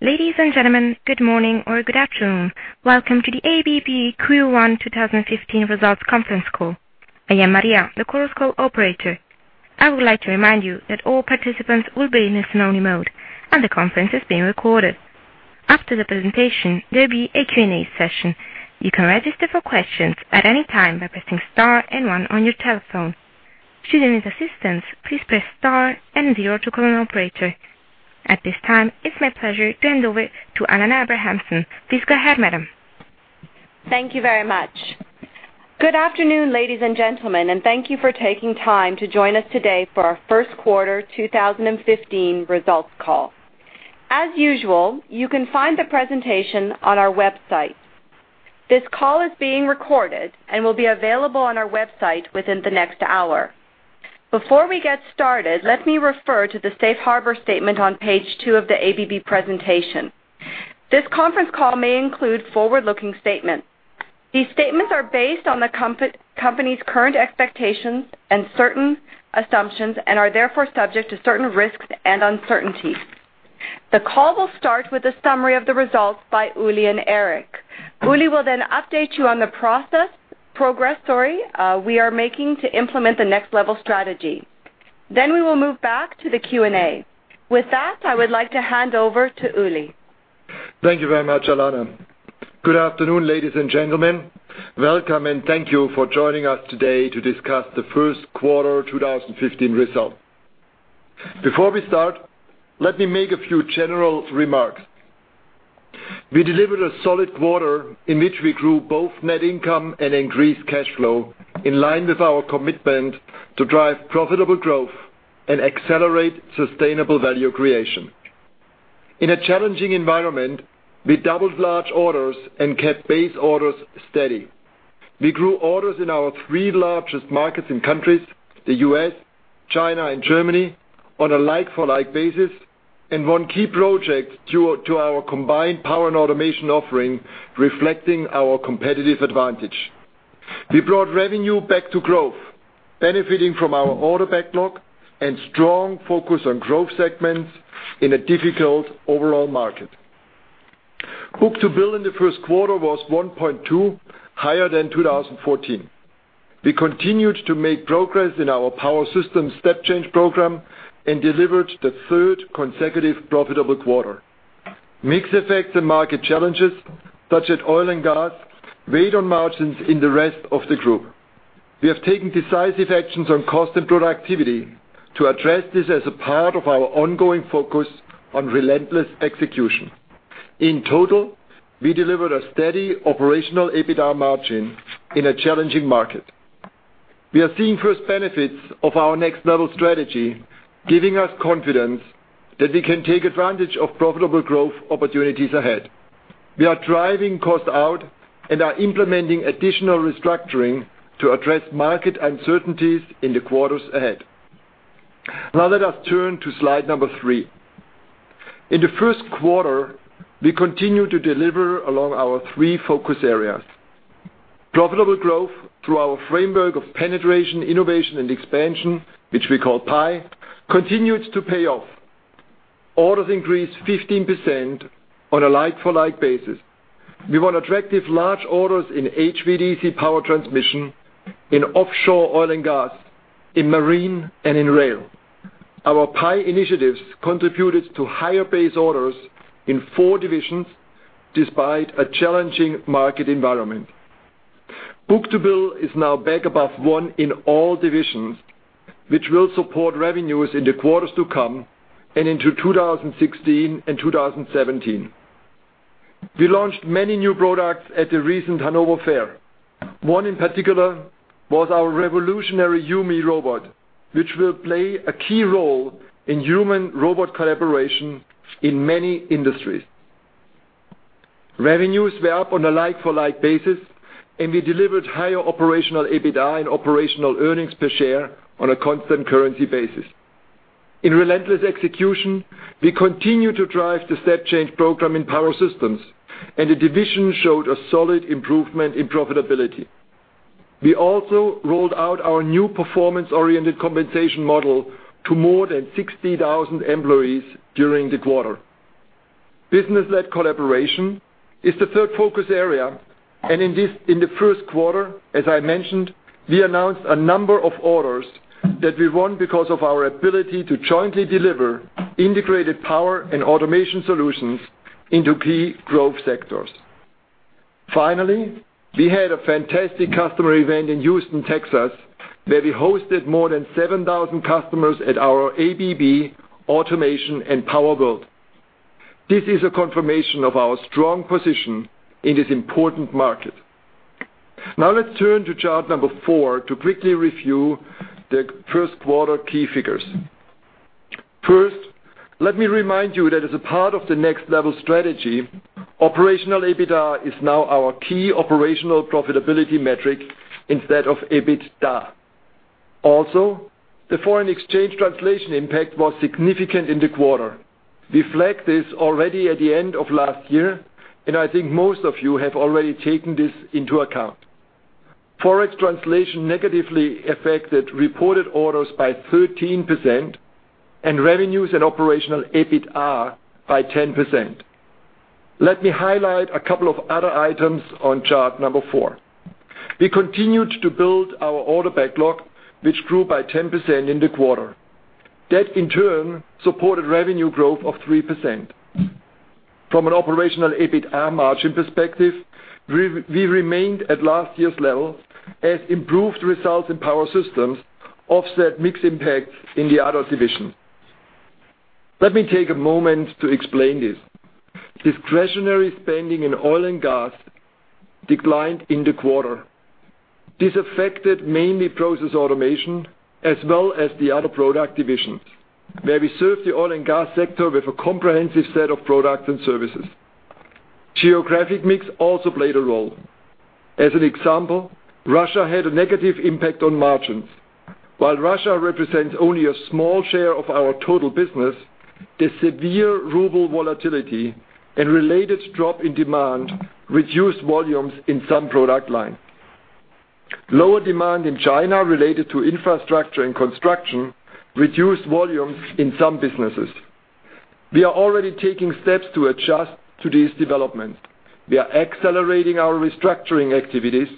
Ladies and gentlemen, good morning or good afternoon. Welcome to the ABB Q1 2015 results conference call. I am Maria, the conference call operator. I would like to remind you that all participants will be in listen only mode, and the conference is being recorded. After the presentation, there'll be a Q&A session. You can register for questions at any time by pressing star and one on your telephone. Should you need assistance, please press star and zero to call an operator. At this time, it's my pleasure to hand over to Alanna Abrahamson. Please go ahead, madam. Thank you very much. Good afternoon, ladies and gentlemen, and thank you for taking time to join us today for our first quarter 2015 results call. As usual, you can find the presentation on our website. This call is being recorded and will be available on our website within the next hour. Before we get started, let me refer to the safe harbor statement on page two of the ABB presentation. This conference call may include forward-looking statements. These statements are based on the company's current expectations and certain assumptions and are therefore subject to certain risks and uncertainties. The call will start with a summary of the results by Uli and Eric. Uli will then update you on the progress we are making to implement the Next Level strategy. We will then move back to the Q&A. With that, I would like to hand over to Uli. Thank you very much, Alanna. Good afternoon, ladies and gentlemen. Welcome, and thank you for joining us today to discuss the first quarter 2015 results. Before we start, let me make a few general remarks. We delivered a solid quarter in which we grew both net income and increased cash flow in line with our commitment to drive profitable growth and accelerate sustainable value creation. In a challenging environment, we doubled large orders and kept base orders steady. We grew orders in our three largest markets and countries, the U.S., China, and Germany, on a like-for-like basis, and won key project due to our combined power and automation offering, reflecting our competitive advantage. We brought revenue back to growth, benefiting from our order backlog and strong focus on growth segments in a difficult overall market. Book-to-bill in the first quarter was 1.2 higher than 2014. We continued to make progress in our Power Systems step change program and delivered the third consecutive profitable quarter. Mix effects and market challenges such as oil and gas weighed on margins in the rest of the group. We have taken decisive actions on cost and productivity to address this as a part of our ongoing focus on relentless execution. In total, we delivered a steady operational EBITDA margin in a challenging market. We are seeing first benefits of our Next Level strategy, giving us confidence that we can take advantage of profitable growth opportunities ahead. We are driving costs out and are implementing additional restructuring to address market uncertainties in the quarters ahead. Let us now turn to slide number three. In the first quarter, we continued to deliver along our three focus areas. Profitable growth through our framework of penetration, innovation, and expansion, which we call PIE, continued to pay off. Orders increased 15% on a like-for-like basis. We won attractive large orders in HVDC power transmission, in offshore oil and gas, in marine, and in rail. Our PIE initiatives contributed to higher base orders in four divisions despite a challenging market environment. Book-to-bill is now back above one in all divisions, which will support revenues in the quarters to come and into 2016 and 2017. We launched many new products at the recent Hanover Fair. One, in particular, was our revolutionary YuMi robot, which will play a key role in human-robot collaboration in many industries. Revenues were up on a like-for-like basis, and we delivered higher operational EBITDA and operational earnings per share on a constant currency basis. In relentless execution, we continued to drive the step change program in Power Systems. The division showed a solid improvement in profitability. We also rolled out our new performance-oriented compensation model to more than 60,000 employees during the quarter. Business-led collaboration is the third focus area. In the first quarter, as I mentioned, we announced a number of orders that we won because of our ability to jointly deliver integrated power and automation solutions into key growth sectors. We had a fantastic customer event in Houston, Texas, where we hosted more than 7,000 customers at our ABB Automation and Power World. This is a confirmation of our strong position in this important market. Now let's turn to chart number four to quickly review the first quarter key figures. First, let me remind you that as a part of the Next Level strategy, operational EBITDA is now our key operational profitability metric instead of EBITDA. The foreign exchange translation impact was significant in the quarter. We flagged this already at the end of last year. I think most of you have already taken this into account. Forex translation negatively affected reported orders by 13%, and revenues and operational EBITDA by 10%. Let me highlight a couple of other items on chart number four. We continued to build our order backlog, which grew by 10% in the quarter. That in turn supported revenue growth of 3%. From an operational EBITDA margin perspective, we remained at last year's level as improved results in Power Systems offset mix impacts in the other divisions. Let me take a moment to explain this. Discretionary spending in oil and gas declined in the quarter. This affected mainly Process Automation as well as the other product divisions, where we serve the oil and gas sector with a comprehensive set of products and services. Geographic mix also played a role. As an example, Russia had a negative impact on margins. While Russia represents only a small share of our total business, the severe ruble volatility and related drop in demand reduced volumes in some product line. Lower demand in China related to infrastructure and construction reduced volumes in some businesses. We are already taking steps to adjust to these developments. We are accelerating our restructuring activities.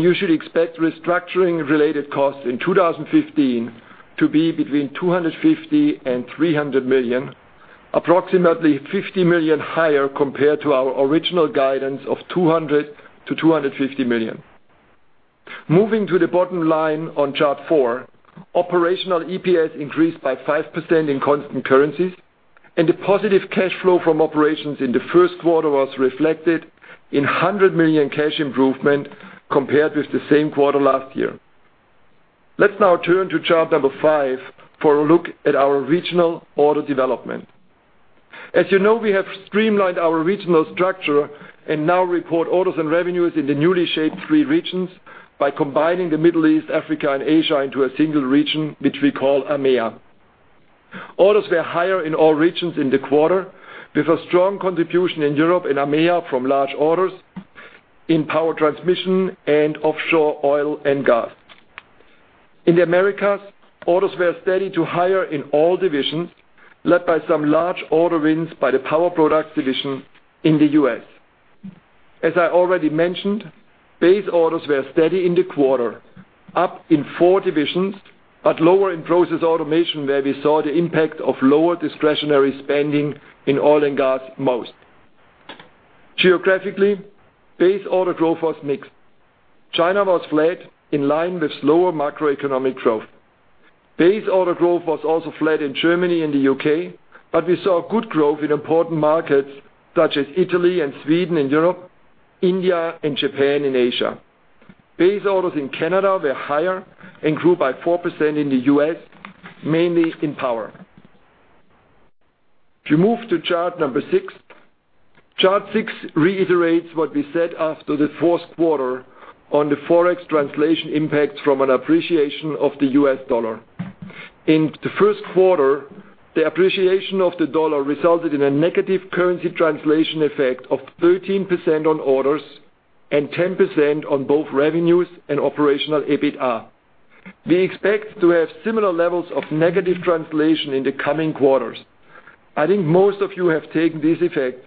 You should expect restructuring-related costs in 2015 to be between $250 million and $300 million, approximately $50 million higher compared to our original guidance of $200 million to $250 million. Moving to the bottom line on chart four, operational EPS increased by 5% in constant currencies. The positive cash flow from operations in the first quarter was reflected in 100 million cash improvement compared with the same quarter last year. Let's now turn to chart number five for a look at our regional order development. As you know, we have streamlined our regional structure and now report orders and revenues in the newly shaped three regions by combining the Middle East, Africa, and Asia into a single region, which we call AMEA. Orders were higher in all regions in the quarter, with a strong contribution in Europe and AMEA from large orders in power transmission and offshore oil and gas. In the Americas, orders were steady to higher in all divisions, led by some large order wins by the Power Products division in the U.S. As I already mentioned, base orders were steady in the quarter, up in four divisions, but lower in Process Automation, where we saw the impact of lower discretionary spending in oil and gas most. Geographically, base order growth was mixed. China was flat, in line with slower macroeconomic growth. Base order growth was also flat in Germany and the U.K., but we saw good growth in important markets such as Italy and Sweden and Europe, India and Japan and Asia. Base orders in Canada were higher and grew by 4% in the U.S., mainly in power. If you move to chart number six. Chart six reiterates what we said after the fourth quarter on the Forex translation impact from an appreciation of the U.S. dollar. In the first quarter, the appreciation of the dollar resulted in a negative currency translation effect of 13% on orders and 10% on both revenues and operational EBITDA. We expect to have similar levels of negative translation in the coming quarters. I think most of you have taken this effect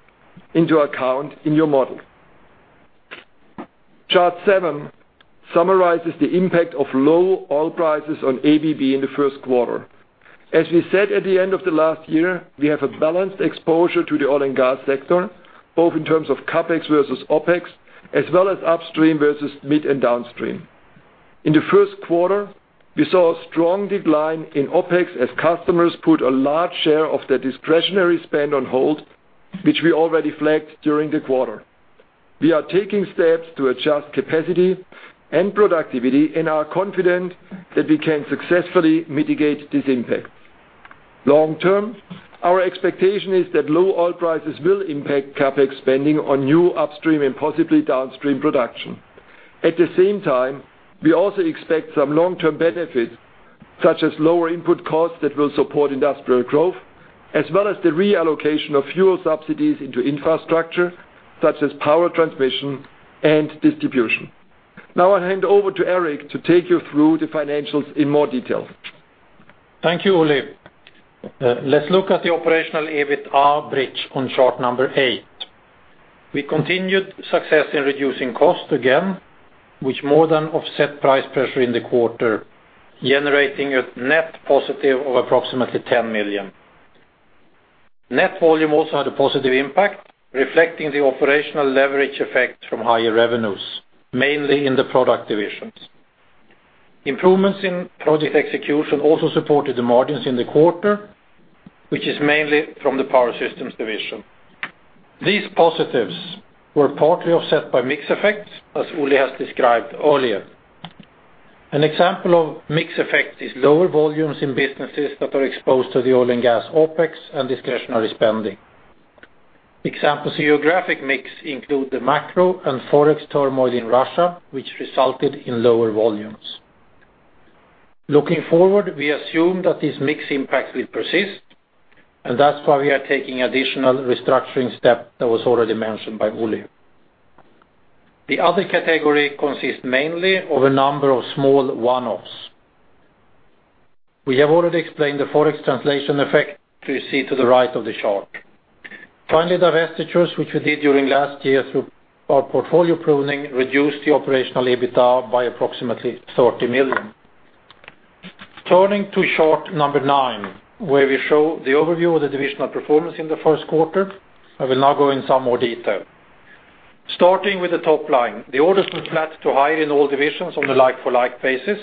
into account in your model. Chart seven summarizes the impact of low oil prices on ABB in the first quarter. As we said at the end of the last year, we have a balanced exposure to the oil and gas sector, both in terms of CapEx versus OpEx, as well as upstream versus mid and downstream. In the first quarter, we saw a strong decline in OpEx as customers put a large share of their discretionary spend on hold, which we already flagged during the quarter. We are taking steps to adjust capacity and productivity and are confident that we can successfully mitigate this impact. Long-term, our expectation is that low oil prices will impact CapEx spending on new upstream and possibly downstream production. At the same time, we also expect some long-term benefits, such as lower input costs that will support industrial growth, as well as the reallocation of fuel subsidies into infrastructure, such as power transmission and distribution. Now I hand over to Eric to take you through the financials in more detail. Thank you, Uli. Let's look at the operational EBITDA bridge on chart number eight. We continued success in reducing cost again, which more than offset price pressure in the quarter, generating a net positive of approximately 10 million. Net volume also had a positive impact, reflecting the operational leverage effect from higher revenues, mainly in the product divisions. Improvements in project execution also supported the margins in the quarter, which is mainly from the Power Systems division. These positives were partly offset by mix effects, as Uli has described earlier. An example of mix effect is lower volumes in businesses that are exposed to the oil and gas OpEx and discretionary spending. Examples of geographic mix include the macro and Forex turmoil in Russia, which resulted in lower volumes. Looking forward, we assume that this mix impact will persist. That's why we are taking additional restructuring step that was already mentioned by Uli. The other category consists mainly of a number of small one-offs. We have already explained the Forex translation effect that you see to the right of the chart. Finally, divestitures, which we did during last year through our portfolio pruning, reduced the operational EBITDA by approximately 30 million. Turning to chart number nine, where we show the overview of the divisional performance in the first quarter, I will now go in some more detail. Starting with the top line, the orders were flat to high in all divisions on the like-for-like basis.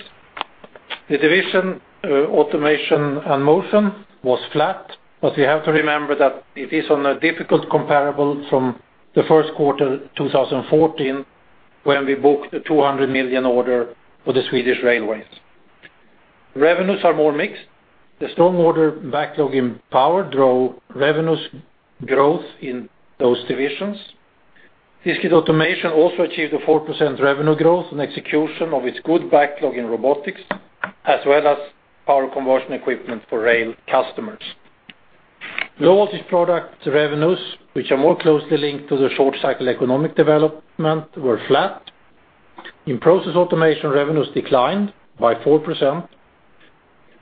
The division Automation and Motion was flat, but we have to remember that it is on a difficult comparable from the first quarter 2014, when we booked a 200 million order for the Swedish railways. Revenues are more mixed. The strong order backlog in Power drove revenues growth in those divisions. Discrete Automation also achieved a 4% revenue growth and execution of its good backlog in robotics, as well as power conversion equipment for rail customers. Low Voltage Products revenues, which are more closely linked to the short cycle economic development, were flat. In Process Automation, revenues declined by 4%,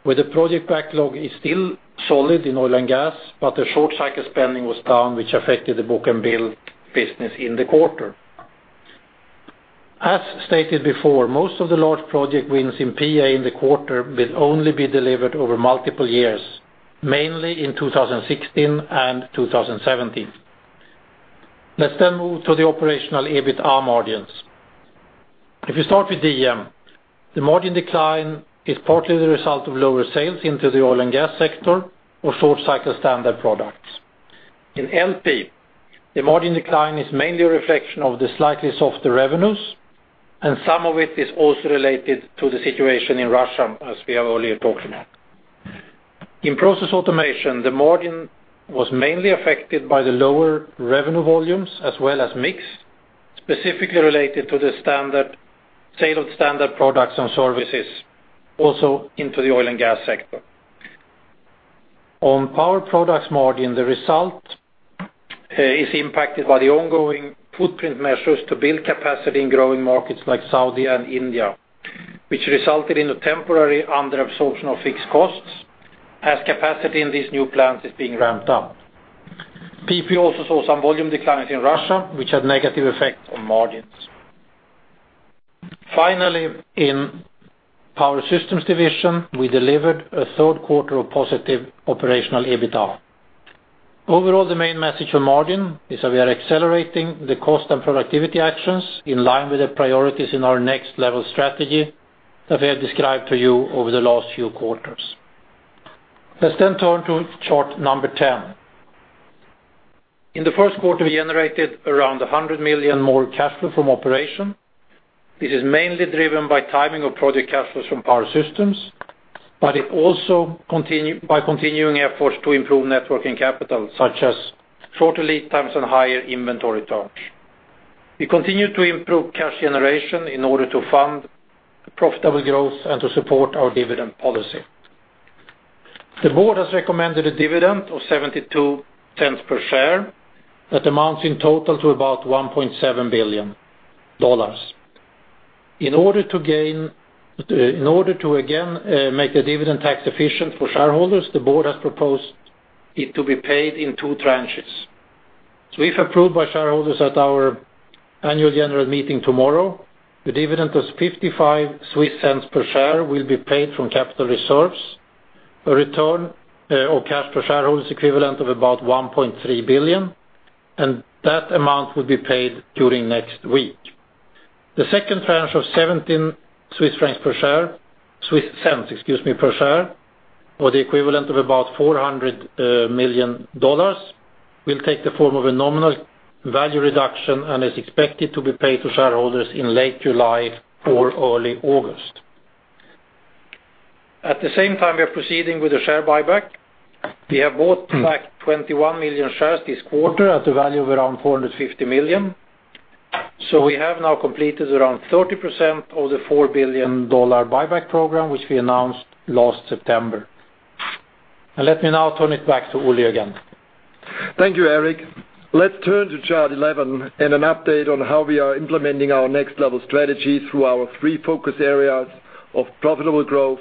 where the project backlog is still solid in oil and gas, but the short cycle spending was down, which affected the book and build business in the quarter. As stated before, most of the large project wins in PA in the quarter will only be delivered over multiple years, mainly in 2016 and 2017. Let's move to the operational EBITDA margins. If you start with DM, the margin decline is partly the result of lower sales into the oil and gas sector or short cycle standard products. In LP, the margin decline is mainly a reflection of the slightly softer revenues, and some of it is also related to the situation in Russia, as we have earlier talked about. In Process Automation, the margin was mainly affected by the lower revenue volumes as well as mix, specifically related to the sale of standard products and services also into the oil and gas sector. On Power Products margin, the result is impacted by the ongoing footprint measures to build capacity in growing markets like Saudi and India, which resulted in a temporary under absorption of fixed costs as capacity in these new plants is being ramped up. PP also saw some volume declines in Russia, which had negative effects on margins. Finally, in Power Systems division, we delivered a third quarter of positive operational EBITDA. Overall, the main message on margin is that we are accelerating the cost and productivity actions in line with the priorities in our Next Level strategy that we have described to you over the last few quarters. Let's then turn to chart 10. In the first quarter, we generated around 100 million more cash flow from operation. It is mainly driven by timing of project cash flows from Power Systems, but also by continuing efforts to improve networking capital, such as shorter lead times and higher inventory turns. We continue to improve cash generation in order to fund profitable growth and to support our dividend policy. The board has recommended a dividend of 0.72 per share. That amounts in total to about CHF 1.7 billion. In order to again make the dividend tax efficient for shareholders, the board has proposed it to be paid in two tranches. If approved by shareholders at our annual general meeting tomorrow, the dividend of 0.55 per share will be paid from capital reserves, a return of cash for shareholders equivalent of about 1.3 billion, and that amount will be paid during next week. The second tranche of 0.17 Swiss francs per share, or the equivalent of about CHF 400 million, will take the form of a nominal value reduction and is expected to be paid to shareholders in late July or early August. At the same time, we are proceeding with a share buyback. We have bought back 21 million shares this quarter at a value of around 450 million. We have now completed around 30% of the CHF 4 billion buyback program, which we announced last September. Let me now turn it back to Uli again. Thank you, Eric. Let's turn to chart 11 and an update on how we are implementing our Next Level strategy through our three focus areas of profitable growth,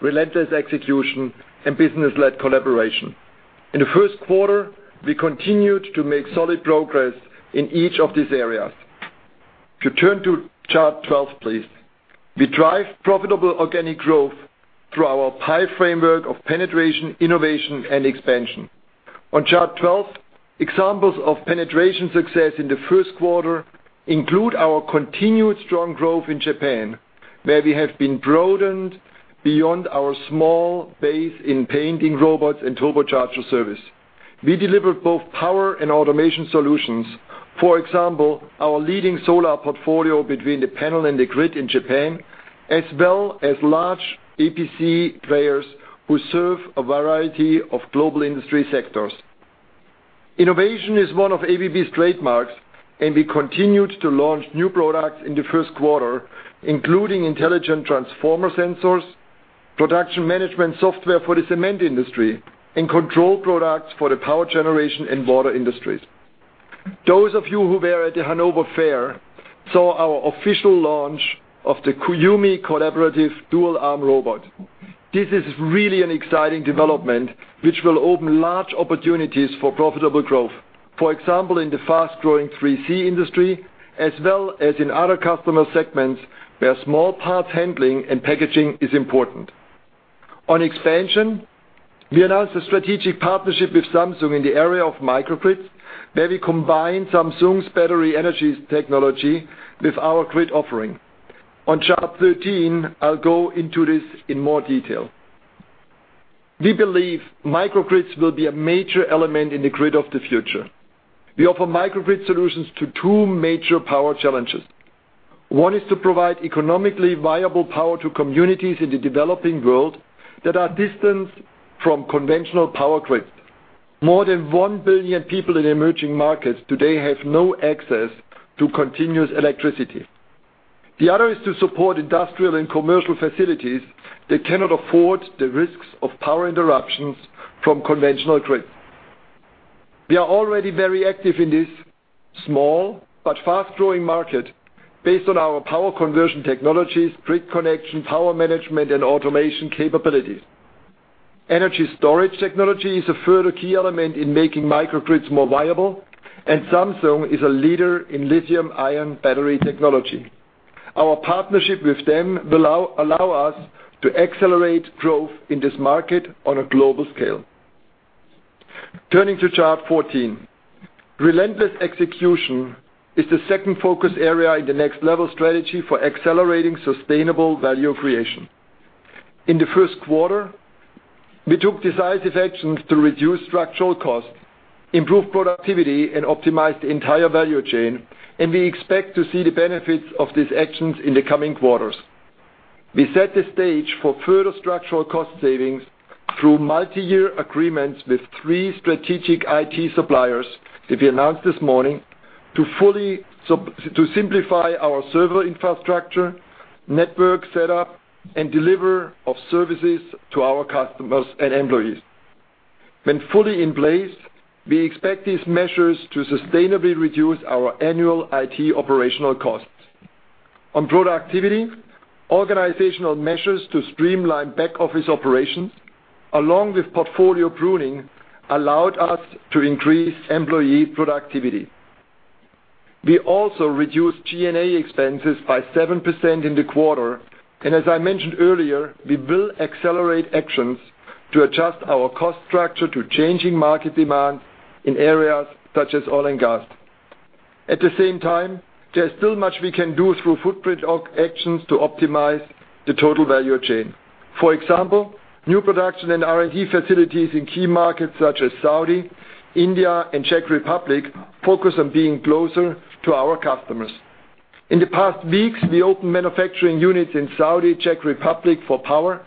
relentless execution, and business-led collaboration. In the first quarter, we continued to make solid progress in each of these areas. If you turn to chart 12, please. We drive profitable organic growth through our PI framework of penetration, innovation, and expansion. On chart 12, examples of penetration success in the first quarter include our continued strong growth in Japan, where we have been broadened beyond our small base in painting robots and turbocharger service. We delivered both power and automation solutions. For example, our leading solar portfolio between the panel and the grid in Japan, as well as large EPC players who serve a variety of global industry sectors. Innovation is one of ABB's trademarks, and we continued to launch new products in the first quarter, including intelligent transformer sensors, production management software for the cement industry, and control products for the power generation and water industries. Those of you who were at the Hanover Fair saw our official launch of the YuMi collaborative dual-arm robot. This is really an exciting development which will open large opportunities for profitable growth. For example, in the fast-growing 3C industry, as well as in other customer segments where small part handling and packaging is important. On expansion, we announced a strategic partnership with Samsung in the area of microgrids, where we combine Samsung's battery energy technology with our grid offering. On chart 13, I'll go into this in more detail. We believe microgrids will be a major element in the grid of the future. We offer microgrid solutions to two major power challenges. One is to provide economically viable power to communities in the developing world that are distant from conventional power grids. More than 1 billion people in emerging markets today have no access to continuous electricity. The other is to support industrial and commercial facilities that cannot afford the risks of power interruptions from conventional grids. We are already very active in this small but fast-growing market based on our power conversion technologies, grid connection, power management, and automation capabilities. Energy storage technology is a further key element in making microgrids more viable, and Samsung is a leader in lithium-ion battery technology. Our partnership with them will allow us to accelerate growth in this market on a global scale. Turning to chart 14. Relentless execution is the second focus area in the Next Level strategy for accelerating sustainable value creation. In the first quarter, we took decisive actions to reduce structural costs, improve productivity, and optimize the entire value chain. We expect to see the benefits of these actions in the coming quarters. We set the stage for further structural cost savings through multi-year agreements with three strategic IT suppliers that we announced this morning to simplify our server infrastructure, network setup, and delivery of services to our customers and employees. When fully in place, we expect these measures to sustainably reduce our annual IT operational costs. On productivity, organizational measures to streamline back-office operations, along with portfolio pruning, allowed us to increase employee productivity. We also reduced G&A expenses by 7% in the quarter. As I mentioned earlier, we will accelerate actions to adjust our cost structure to changing market demands in areas such as oil and gas. At the same time, there's still much we can do through footprint actions to optimize the total value chain. For example, new production and R&D facilities in key markets such as Saudi, India, and Czech Republic focus on being closer to our customers. In the past weeks, we opened manufacturing units in Saudi, Czech Republic for power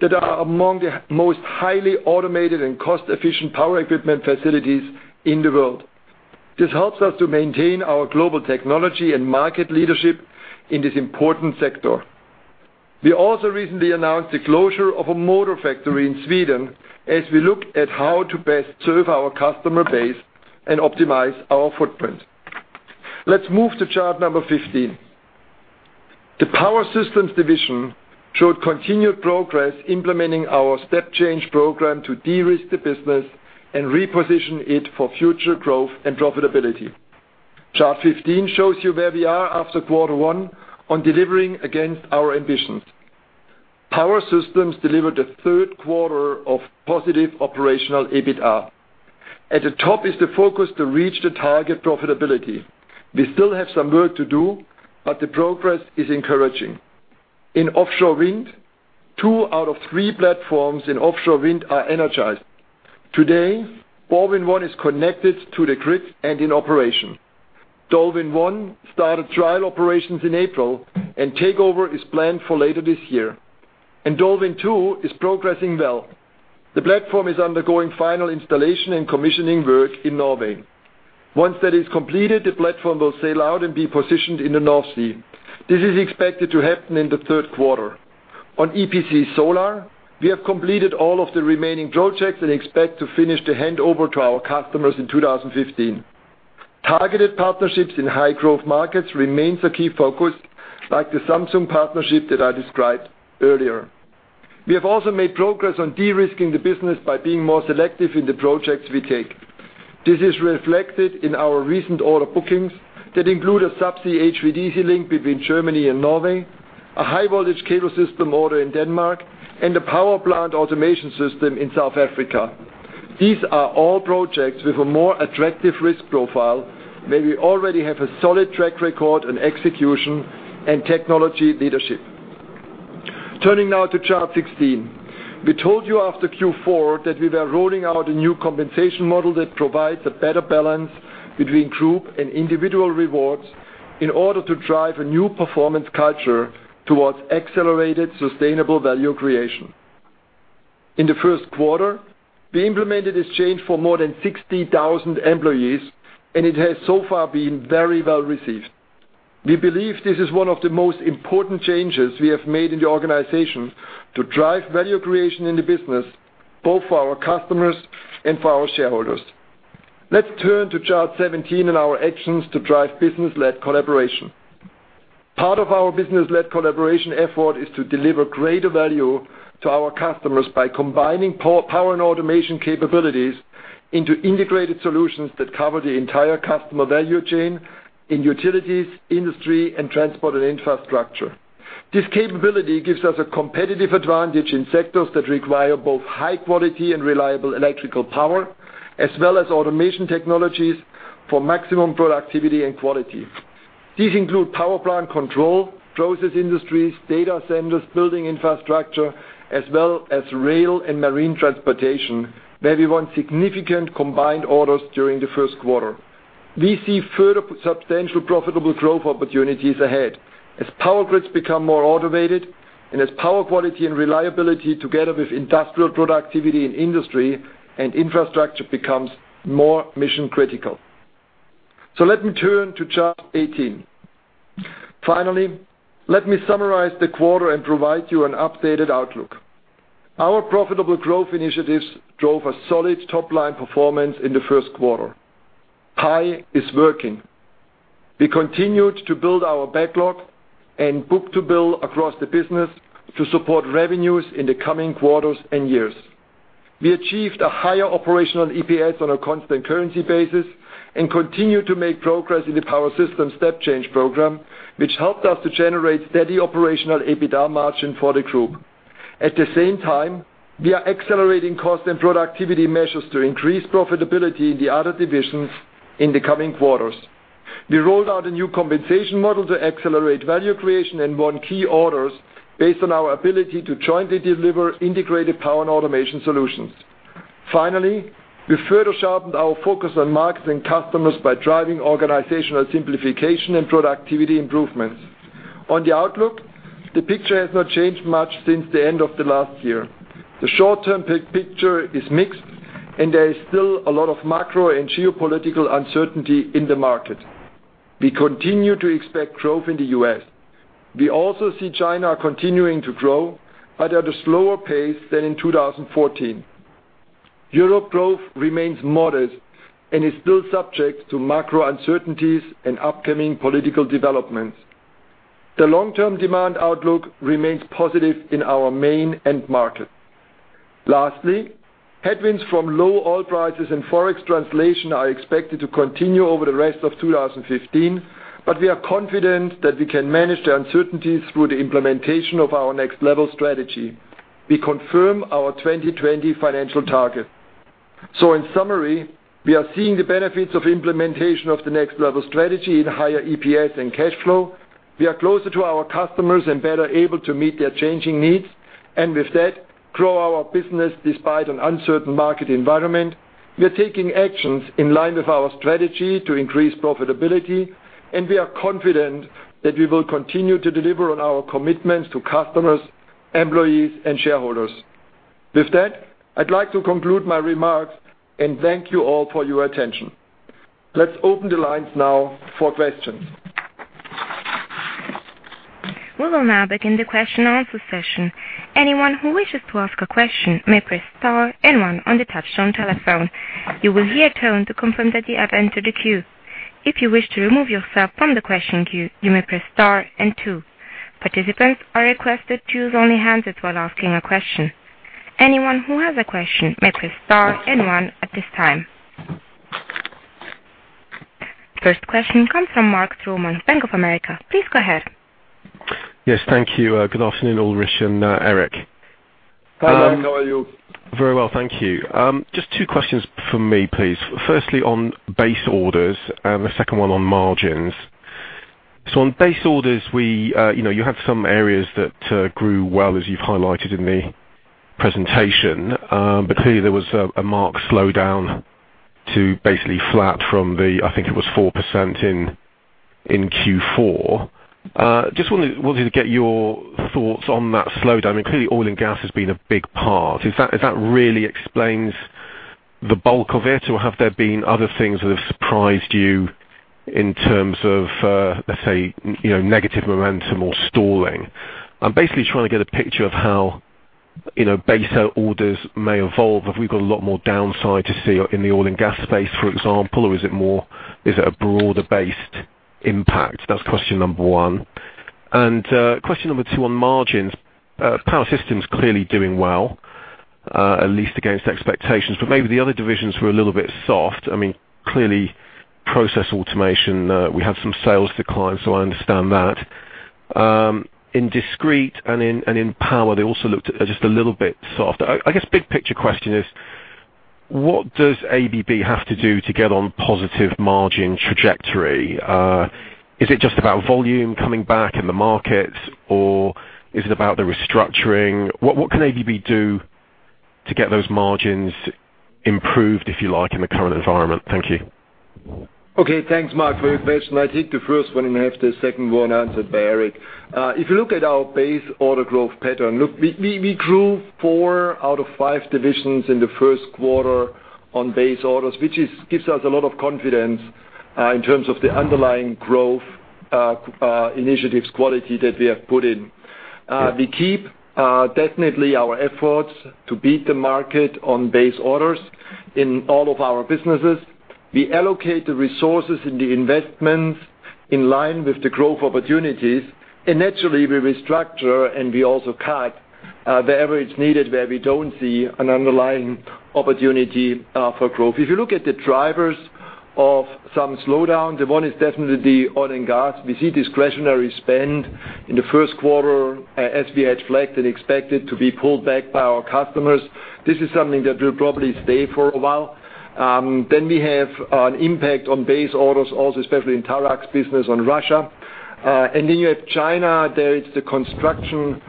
that are among the most highly automated and cost-efficient power equipment facilities in the world. This helps us to maintain our global technology and market leadership in this important sector. We also recently announced the closure of a motor factory in Sweden as we look at how to best serve our customer base and optimize our footprint. Let's move to chart number 15. The Power Systems division showed continued progress implementing our step change program to de-risk the business and reposition it for future growth and profitability. Chart 15 shows you where we are after quarter one on delivering against our ambitions. Power Systems delivered a third quarter of positive operational EBITDA. At the top is the focus to reach the target profitability. We still have some work to do, but the progress is encouraging. In offshore wind, two out of three platforms in offshore wind are energized. Today, BorWin1 is connected to the grid and in operation. DolWin1 started trial operations in April, and takeover is planned for later this year. DolWin2 is progressing well. The platform is undergoing final installation and commissioning work in Norway. Once that is completed, the platform will sail out and be positioned in the North Sea. This is expected to happen in the third quarter. On EPC Solar, we have completed all of the remaining projects and expect to finish the handover to our customers in 2015. Targeted partnerships in high-growth markets remains a key focus, like the Samsung partnership that I described earlier. We have also made progress on de-risking the business by being more selective in the projects we take. This is reflected in our recent order bookings that include a subsea HVDC link between Germany and Norway, a high-voltage cable system order in Denmark, and a power plant automation system in South Africa. These are all projects with a more attractive risk profile where we already have a solid track record and execution and technology leadership. Turning now to chart 16. We told you after Q4 that we were rolling out a new compensation model that provides a better balance between group and individual rewards in order to drive a new performance culture towards accelerated sustainable value creation. In the first quarter, we implemented this change for more than 60,000 employees, and it has so far been very well received. We believe this is one of the most important changes we have made in the organization to drive value creation in the business, both for our customers and for our shareholders. Let's turn to chart 17 and our actions to drive business-led collaboration. Part of our business-led collaboration effort is to deliver greater value to our customers by combining power and automation capabilities into integrated solutions that cover the entire customer value chain in utilities, industry, and transport and infrastructure. This capability gives us a competitive advantage in sectors that require both high quality and reliable electrical power, as well as automation technologies for maximum productivity and quality. These include power plant control, process industries, data centers, building infrastructure, as well as rail and marine transportation, where we won significant combined orders during the first quarter. We see further substantial profitable growth opportunities ahead as power grids become more automated and as power quality and reliability, together with industrial productivity in industry and infrastructure, becomes more mission-critical. Let me turn to chart 18. Finally, let me summarize the quarter and provide you an updated outlook. Our profitable growth initiatives drove a solid top-line performance in the first quarter. PI is working. We continued to build our backlog and book-to-bill across the business to support revenues in the coming quarters and years. We achieved a higher operational EPS on a constant currency basis and continued to make progress in the Power Systems step change program, which helped us to generate steady operational EBITDA margin for the group. At the same time, we are accelerating cost and productivity measures to increase profitability in the other divisions in the coming quarters. We rolled out a new compensation model to accelerate value creation and won key orders based on our ability to jointly deliver integrated power and automation solutions. Finally, we further sharpened our focus on marketing customers by driving organizational simplification and productivity improvements. On the outlook, the picture has not changed much since the end of the last year. The short-term picture is mixed, and there is still a lot of macro and geopolitical uncertainty in the market. We continue to expect growth in the U.S. We also see China continuing to grow, but at a slower pace than in 2014. Europe growth remains modest and is still subject to macro uncertainties and upcoming political developments. The long-term demand outlook remains positive in our main end markets. Lastly, headwinds from low oil prices and Forex translation are expected to continue over the rest of 2015, but we are confident that we can manage the uncertainties through the implementation of our Next Level strategy. We confirm our 2020 financial target. In summary, we are seeing the benefits of implementation of the Next Level strategy in higher EPS and cash flow. We are closer to our customers and better able to meet their changing needs, and with that, grow our business despite an uncertain market environment. We are taking actions in line with our strategy to increase profitability. We are confident that we will continue to deliver on our commitments to customers, employees, and shareholders. With that, I'd like to conclude my remarks. Thank you all for your attention. Let's open the lines now for questions. We will now begin the question and answer session. Anyone who wishes to ask a question may press star and one on the touch-tone telephone. You will hear a tone to confirm that you have entered the queue. If you wish to remove yourself from the question queue, you may press star and two. Participants are requested to use only hands while asking a question. Anyone who has a question may press star and one at this time. First question comes from Markus Mittermaier, Bank of America. Please go ahead. Yes, thank you. Good afternoon, Ulrich and Eric. Hi, Mark. How are you? Very well, thank you. Just two questions from me, please. Firstly, on base orders, the second one on margins. On base orders, you have some areas that grew well, as you've highlighted in the presentation. Clearly, there was a marked slowdown to basically flat from the, I think, it was 4% in Q4. Just wanted to get your thoughts on that slowdown. Clearly, oil and gas has been a big part. Is that really explains the bulk of it, or have there been other things that have surprised you in terms of, let's say, negative momentum or stalling? I'm basically trying to get a picture of how base orders may evolve. Have we got a lot more downside to see in the oil and gas space, for example? Or is it a broader-based impact? That's question number one. Question number two on margins. Power Systems clearly doing well, at least against expectations, maybe the other divisions were a little bit soft. Clearly, Process Automation, we had some sales decline, I understand that. In Discrete and in Power, they also looked just a little bit soft. I guess big picture question is, what does ABB have to do to get on positive margin trajectory? Is it just about volume coming back in the markets, or is it about the restructuring? What can ABB do to get those margins improved, if you like, in the current environment? Thank you. Okay. Thanks, Mark, for your question. I think the first one and have the second one answered by Eric. If you look at our base order growth pattern, look, we grew four out of five divisions in the first quarter on base orders, which gives us a lot of confidence in terms of the underlying growth initiatives quality that we have put in. We keep definitely our efforts to beat the market on base orders in all of our businesses. We allocate the resources and the investments in line with the growth opportunities, and naturally, we restructure and we also cut wherever it's needed, where we don't see an underlying opportunity for growth. If you look at the drivers of some slowdown, one is definitely oil and gas. We see discretionary spend in the first quarter, as we had flagged and expected to be pulled back by our customers. This is something that will probably stay for a while. We have an impact on base orders also, especially in [Tarax] business on Russia. You have China, there it's the construction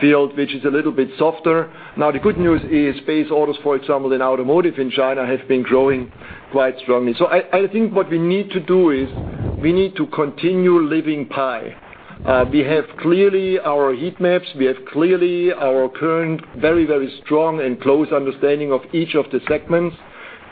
field, which is a little bit softer. The good news is base orders, for example, in automotive in China, have been growing quite strongly. I think what we need to do is we need to continue living PIE. We have clearly our heat maps. We have clearly our current, very, very strong and close understanding of each of the segments.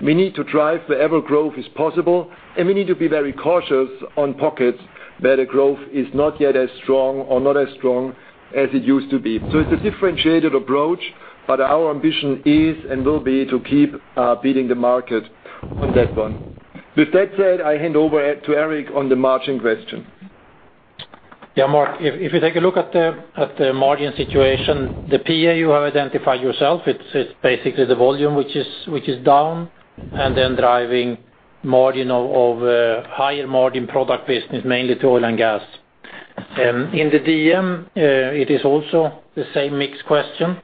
We need to drive wherever growth is possible, and we need to be very cautious on pockets where the growth is not yet as strong or not as strong as it used to be. It's a differentiated approach, our ambition is and will be to keep beating the market on that one. With that said, I hand over to Eric on the margin question. Mark, if you take a look at the margin situation, the PA you have identified yourself, it's basically the volume, which is down and then driving margin of higher margin product business, mainly to oil and gas. In the DM, it is also the same mix question,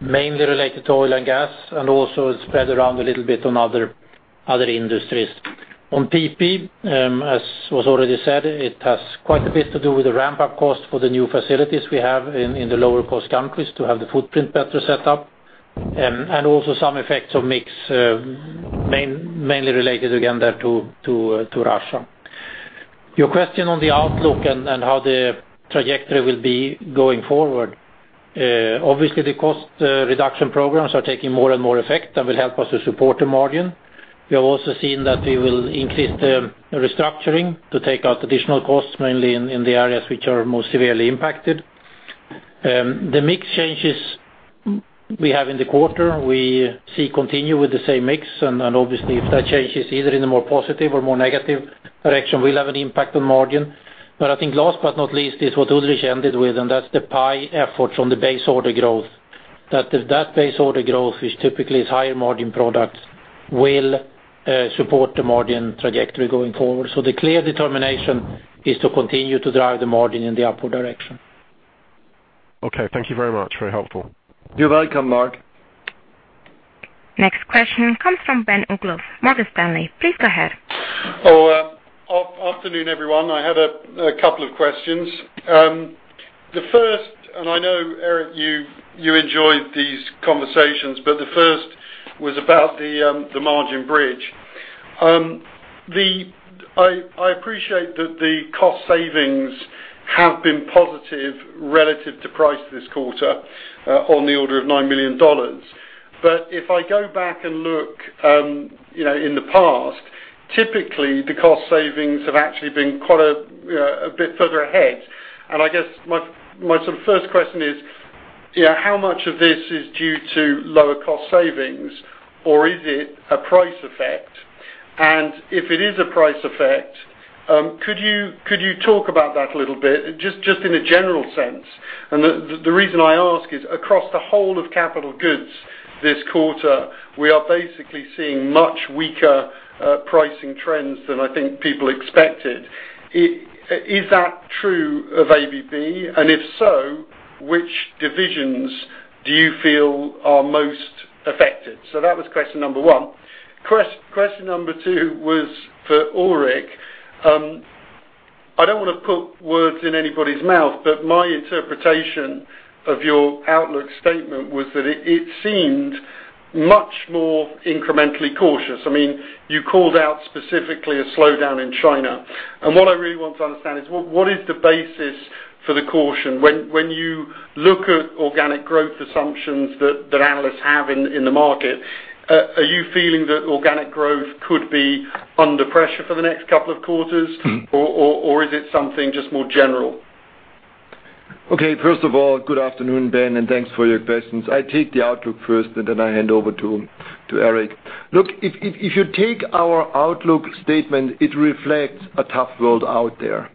mainly related to oil and gas, and also spread around a little bit on other industries. On PP, as was already said, it has quite a bit to do with the ramp-up cost for the new facilities we have in the lower cost countries to have the footprint better set up, and also some effects of mix, mainly related again there to Russia. Your question on the outlook and how the trajectory will be going forward. Obviously, the cost reduction programs are taking more and more effect and will help us to support the margin. We have also seen that we will increase the restructuring to take out additional costs, mainly in the areas which are most severely impacted. The mix changes we have in the quarter, we see continue with the same mix, and obviously, if that changes either in a more positive or more negative direction, will have an impact on margin. I think last but not least is what Ulrich ended with, and that's the PIE effort on the base order growth. That base order growth, which typically is higher margin products, will support the margin trajectory going forward. The clear determination is to continue to drive the margin in the upward direction. Okay. Thank you very much. Very helpful. You're welcome, Mark. Next question comes from Ben Uglow, Morgan Stanley. Please go ahead. Afternoon, everyone. I have a couple of questions. The first, I know, Eric, you enjoy these conversations, the first was about the margin bridge. I appreciate that the cost savings have been positive relative to price this quarter on the order of CHF 9 million. If I go back and look in the past, typically the cost savings have actually been quite a bit further ahead. I guess my first question is, how much of this is due to lower cost savings or is it a price effect? If it is a price effect, could you talk about that a little bit, just in a general sense? The reason I ask is across the whole of capital goods this quarter, we are basically seeing much weaker pricing trends than I think people expected. Is that true of ABB? If so, which divisions do you feel are most affected? That was question number one. Question number two was for Ulrich. I don't want to put words in anybody's mouth, my interpretation of your outlook statement was that it seemed much more incrementally cautious. You called out specifically a slowdown in China, what I really want to understand is what is the basis for the caution when you look at organic growth assumptions that analysts have in the market, are you feeling that organic growth could be under pressure for the next couple of quarters? Or is it something just more general? First of all, good afternoon, Ben, thanks for your questions. I take the outlook first, then I hand over to Eric. If you take our outlook statement, it reflects a tough world out there.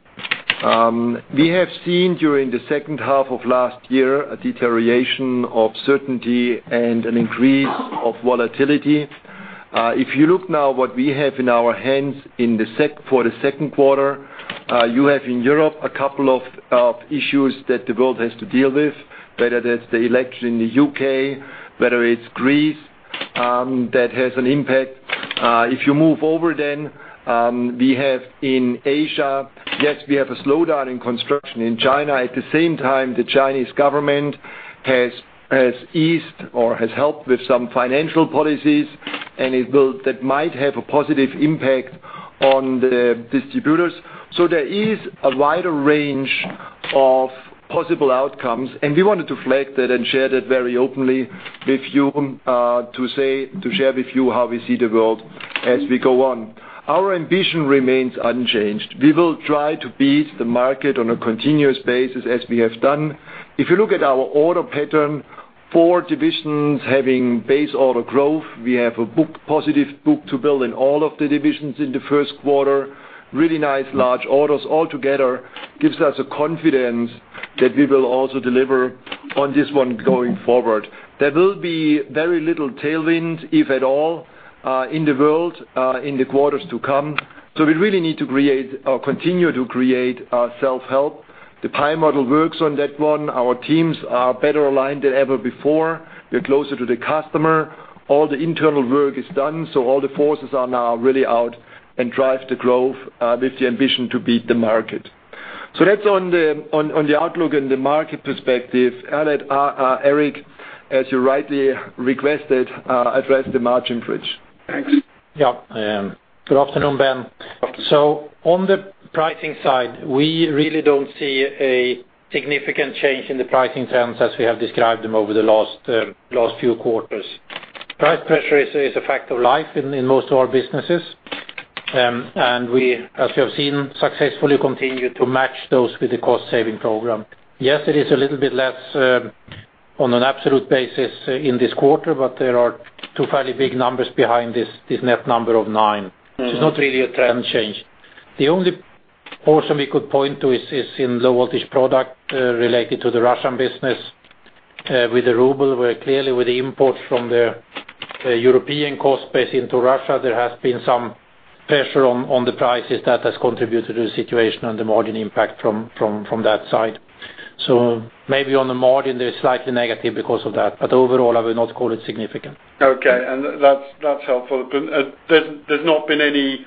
We have seen during the second half of last year a deterioration of certainty and an increase of volatility. If you look now what we have in our hands for the second quarter, you have in Europe a couple of issues that the world has to deal with, whether that's the election in the U.K., whether it's Greece, that has an impact. If you move over then, we have in Asia, yes, we have a slowdown in construction in China. At the same time, the Chinese government has eased or has helped with some financial policies, that might have a positive impact on the distributors. There is a wider range of possible outcomes, we wanted to flag that and share that very openly with you to share with you how we see the world as we go on. Our ambition remains unchanged. We will try to beat the market on a continuous basis as we have done. If you look at our order pattern, four divisions having base order growth, we have a positive book-to-bill in all of the divisions in the first quarter. Really nice large orders altogether gives us a confidence that we will also deliver on this one going forward. There will be very little tailwind, if at all, in the world, in the quarters to come. We really need to continue to create self-help. The PIE model works on that one. Our teams are better aligned than ever before. We are closer to the customer. All the internal work is done, all the forces are now really out and drive the growth with the ambition to beat the market. That's on the outlook and the market perspective. Eric, as you rightly requested, address the margin bridge. Thanks. Yeah. Good afternoon, Ben. On the pricing side, we really don't see a significant change in the pricing trends as we have described them over the last few quarters. Price pressure is a fact of life in most of our businesses, and we, as you have seen, successfully continue to match those with the cost-saving program. Yes, it is a little bit less on an absolute basis in this quarter, but there are two fairly big numbers behind this net number of nine. It's not really a trend change. The only portion we could point to is in Low Voltage Products, related to the Russian business with the ruble, where clearly with the import from the European cost base into Russia, there has been some pressure on the prices that has contributed to the situation and the margin impact from that side. Maybe on the margin they're slightly negative because of that, but overall, I would not call it significant. Okay. That's helpful. But there's not been any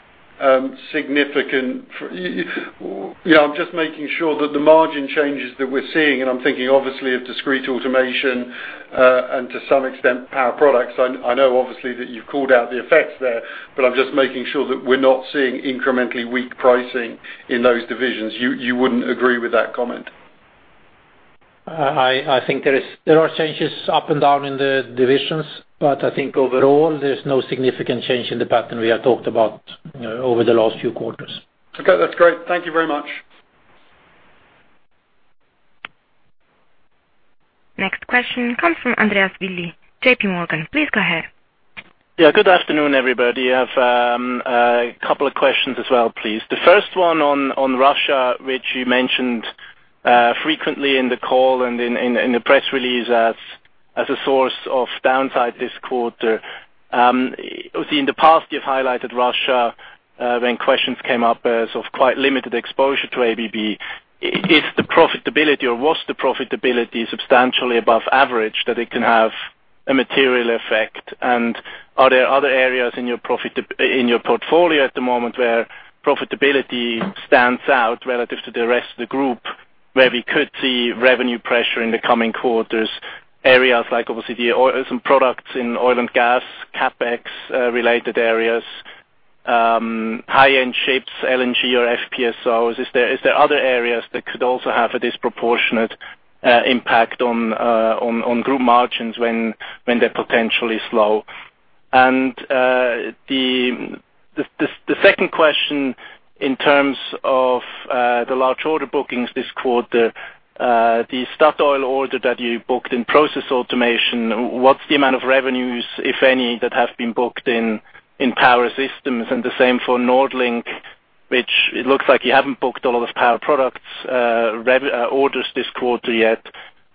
significant, I'm just making sure that the margin changes that we're seeing, and I'm thinking obviously of Discrete Automation, and to some extent, Power Products. I know obviously that you've called out the effects there, but I'm just making sure that we're not seeing incrementally weak pricing in those divisions. You wouldn't agree with that comment? I think there are changes up and down in the divisions, but I think overall there's no significant change in the pattern we have talked about over the last few quarters. Okay. That's great. Thank you very much. Next question comes from Andreas Willi, JPMorgan, please go ahead. Yeah. Good afternoon, everybody. I have a couple of questions as well, please. The first one on Russia, which you mentioned frequently in the call and in the press release as a source of downside this quarter. In the past you've highlighted Russia, when questions came up as of quite limited exposure to ABB. Is the profitability, or was the profitability substantially above average that it can have a material effect? Are there other areas in your portfolio at the moment where profitability stands out relative to the rest of the group, where we could see revenue pressure in the coming quarters, areas like obviously some products in oil and gas, CapEx-related areas, high-end ships, LNG or FPSOs? Is there other areas that could also have a disproportionate impact on group margins when they're potentially slow? The second question in terms of the large order bookings this quarter, the Statoil order that you booked in Process Automation, what's the amount of revenues, if any, that have been booked in Power Systems? The same for NordLink, which it looks like you haven't booked all of those Power Products orders this quarter yet.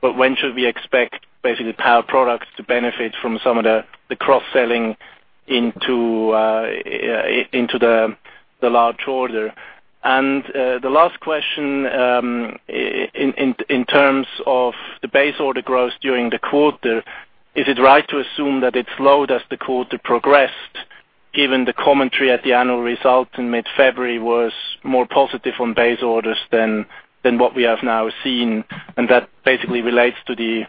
When should we expect basically Power Products to benefit from some of the cross-selling into the large order? The last question, in terms of the base order growth during the quarter, is it right to assume that it slowed as the quarter progressed, given the commentary at the annual result in mid-February was more positive on base orders than what we have now seen, and that basically relates to the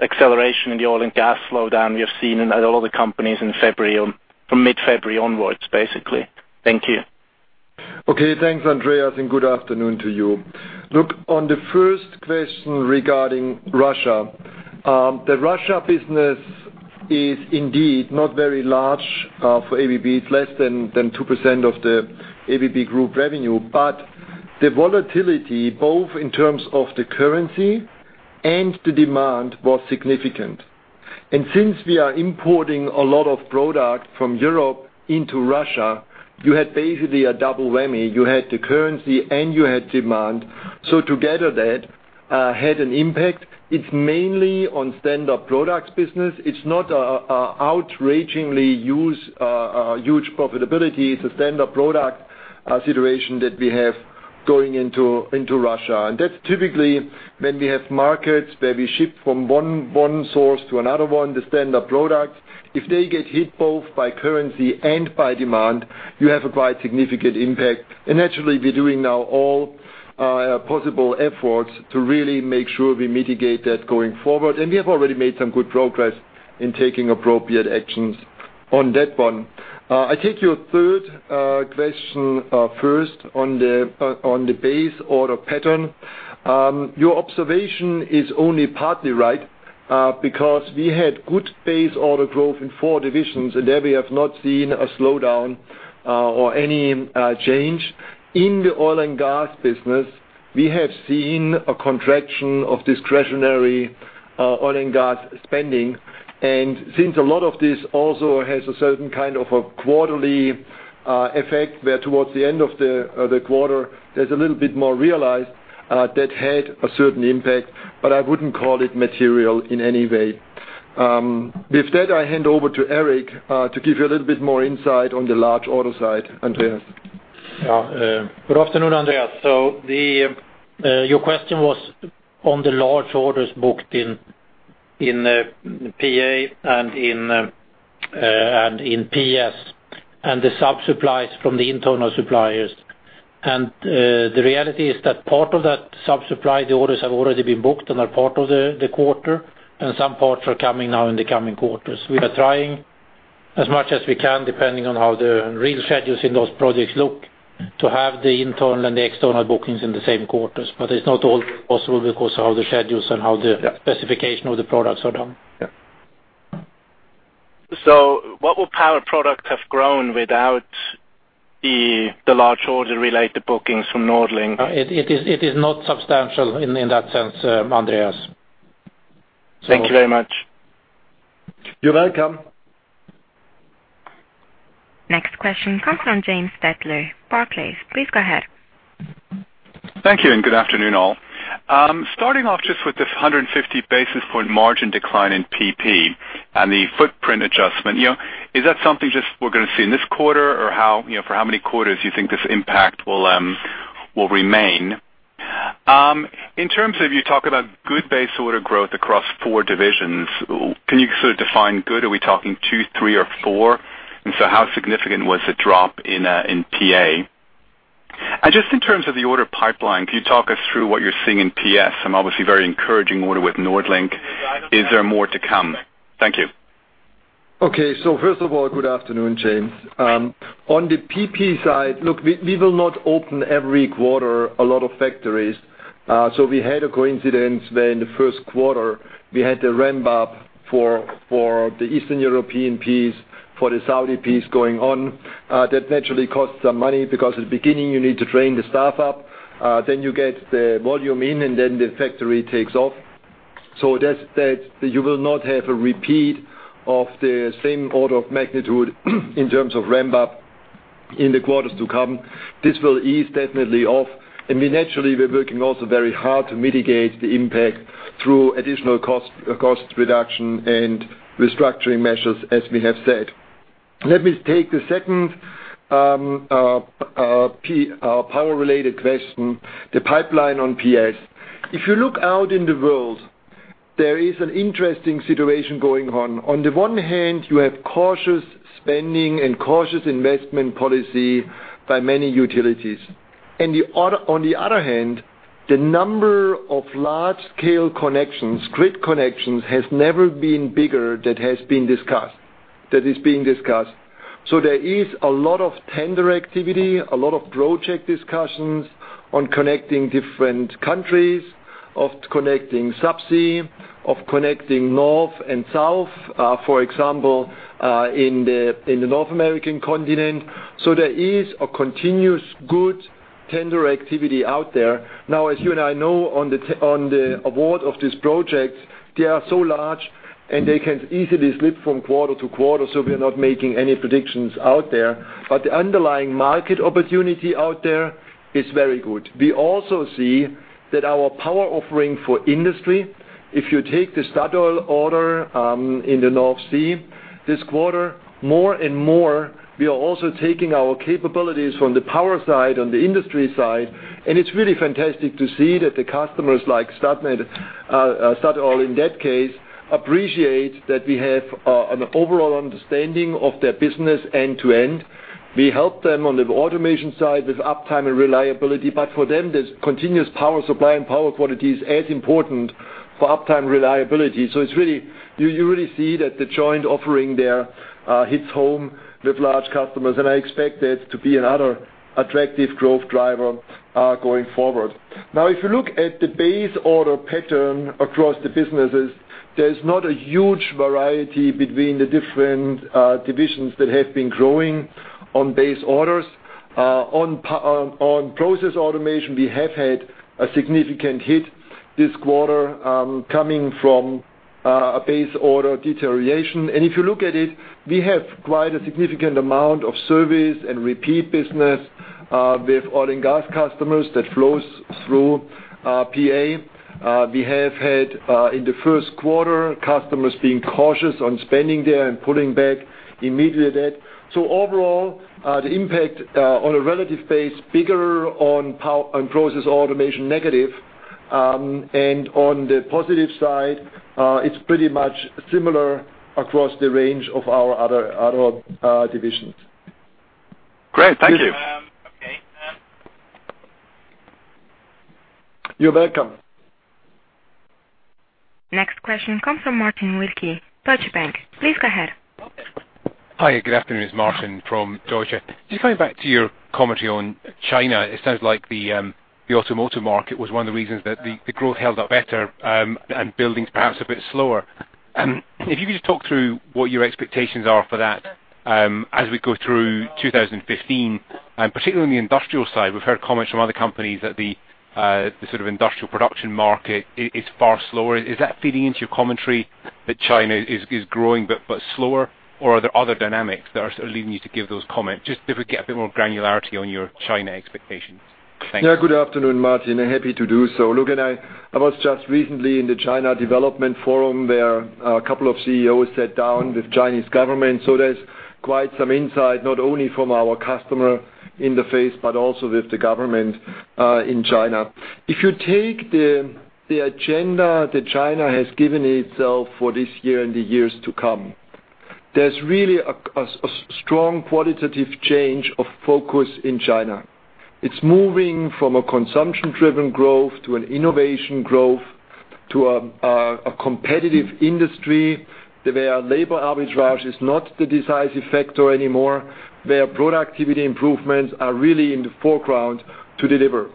acceleration in the oil and gas slowdown we have seen in a lot of the companies from mid-February onwards, basically. Thank you. Okay. Thanks, Andreas, and good afternoon to you. Look, on the first question regarding Russia. The Russia business is indeed not very large for ABB. It's less than 2% of the ABB Group revenue, but the volatility, both in terms of the currency and the demand, was significant. Since we are importing a lot of product from Europe into Russia, you had basically a double whammy. You had the currency and you had demand. Together that had an impact. It's mainly on standard products business. It's not outrageously huge profitability. It's a standard product situation that we have going into Russia. That's typically when we have markets where we ship from one source to another one, the standard product. If they get hit both by currency and by demand, you have a quite significant impact. Naturally we're doing now all possible efforts to really make sure we mitigate that going forward. We have already made some good progress in taking appropriate actions on that one. I take your third question first on the base order pattern. Your observation is only partly right, because we had good base order growth in four divisions, and there we have not seen a slowdown or any change. In the oil and gas business, we have seen a contraction of discretionary oil and gas spending. Since a lot of this also has a certain kind of a quarterly effect, where towards the end of the quarter, there's a little bit more realized that had a certain impact, but I wouldn't call it material in any way. With that, I hand over to Eric to give you a little bit more insight on the large order side, Andreas. Good afternoon, Andreas. Your question was on the large orders booked in PA and in PS and the sub-supplies from the internal suppliers. The reality is that part of that sub-supply, the orders have already been booked and are part of the quarter, and some parts are coming now in the coming quarters. We are trying as much as we can, depending on how the real schedules in those projects look, to have the internal and the external bookings in the same quarters. It is not always possible because of how the schedules and how the. Yeah Specification of the products are done. Yeah. What would Power Products have grown without the large order-related bookings from NordLink? It is not substantial in that sense, Andreas. Thank you very much. You're welcome. Next question comes from James Stettler, Barclays. Please go ahead. Thank you. Good afternoon, all. Starting off just with this 150 basis point margin decline in PP and the footprint adjustment. Is that something just we're going to see in this quarter, or for how many quarters you think this impact will remain? In terms of you talk about good base order growth across four divisions, can you sort of define good? Are we talking two, three, or four? How significant was the drop in PA? Just in terms of the order pipeline, can you talk us through what you're seeing in PS? Obviously very encouraging order with NordLink. Is there more to come? Thank you. Okay. First of all, good afternoon, James. On the PP side, we will not open every quarter a lot of factories. We had a coincidence where in the first quarter we had the ramp-up for the Eastern European piece, for the Saudi piece going on. That naturally costs some money because at the beginning you need to train the staff up, then you get the volume in, and then the factory takes off. You will not have a repeat of the same order of magnitude in terms of ramp-up in the quarters to come. This will ease definitely off. We naturally, we're working also very hard to mitigate the impact through additional cost reduction and restructuring measures as we have said. Let me take the second power related question, the pipeline on PS. If you look out in the world, there is an interesting situation going on. On the one hand, you have cautious spending and cautious investment policy by many utilities. On the other hand, the number of large-scale connections, grid connections, has never been bigger that is being discussed. There is a lot of tender activity, a lot of project discussions on connecting different countries, of connecting subsea, of connecting north and south, for example, in the North American continent. As you and I know on the award of this project, they are so large and they can easily slip from quarter to quarter, we're not making any predictions out there. The underlying market opportunity out there is very good. We also see that our power offering for industry, if you take the Statoil order in the North Sea this quarter, more and more, we are also taking our capabilities from the power side, on the industry side. It's really fantastic to see that the customers like Statoil, in that case, appreciate that we have an overall understanding of their business end to end. We help them on the automation side with uptime and reliability. For them, there's continuous power supply and power quality is as important for uptime reliability. You really see that the joint offering there hits home with large customers, and I expect that to be another attractive growth driver going forward. If you look at the base order pattern across the businesses, there's not a huge variety between the different divisions that have been growing on base orders. On Process Automation, we have had a significant hit this quarter coming from a base order deterioration. If you look at it, we have quite a significant amount of service and repeat business with oil and gas customers that flows through PA. We have had in the first quarter, customers being cautious on spending there and pulling back immediately. Overall, the impact on a relative base, bigger on Process Automation, negative. On the positive side, it's pretty much similar across the range of our other divisions. Great. Thank you. You're welcome. Next question comes from Martin Wilkie, Deutsche Bank. Please go ahead. Hi, good afternoon. It's Martin from Deutsche. Just going back to your commentary on China, it sounds like the automotive market was one of the reasons that the growth held up better, and buildings perhaps a bit slower. If you could just talk through what your expectations are for that as we go through 2015, and particularly on the industrial side. We've heard comments from other companies that the sort of industrial production market is far slower. Is that feeding into your commentary that China is growing but slower? Are there other dynamics that are sort of leading you to give those comments? Just if we get a bit more granularity on your China expectations. Thanks. Yeah. Good afternoon, Martin. Happy to do so. Look, I was just recently in the China Development Forum, where a couple of CEOs sat down with Chinese government. So there's quite some insight, not only from our customer interface, but also with the government in China. If you take the agenda that China has given itself for this year and the years to come, there's really a strong qualitative change of focus in China. It's moving from a consumption-driven growth to an innovation growth to a competitive industry. Their labor arbitrage is not the decisive factor anymore. Their productivity improvements are really in the foreground to deliver.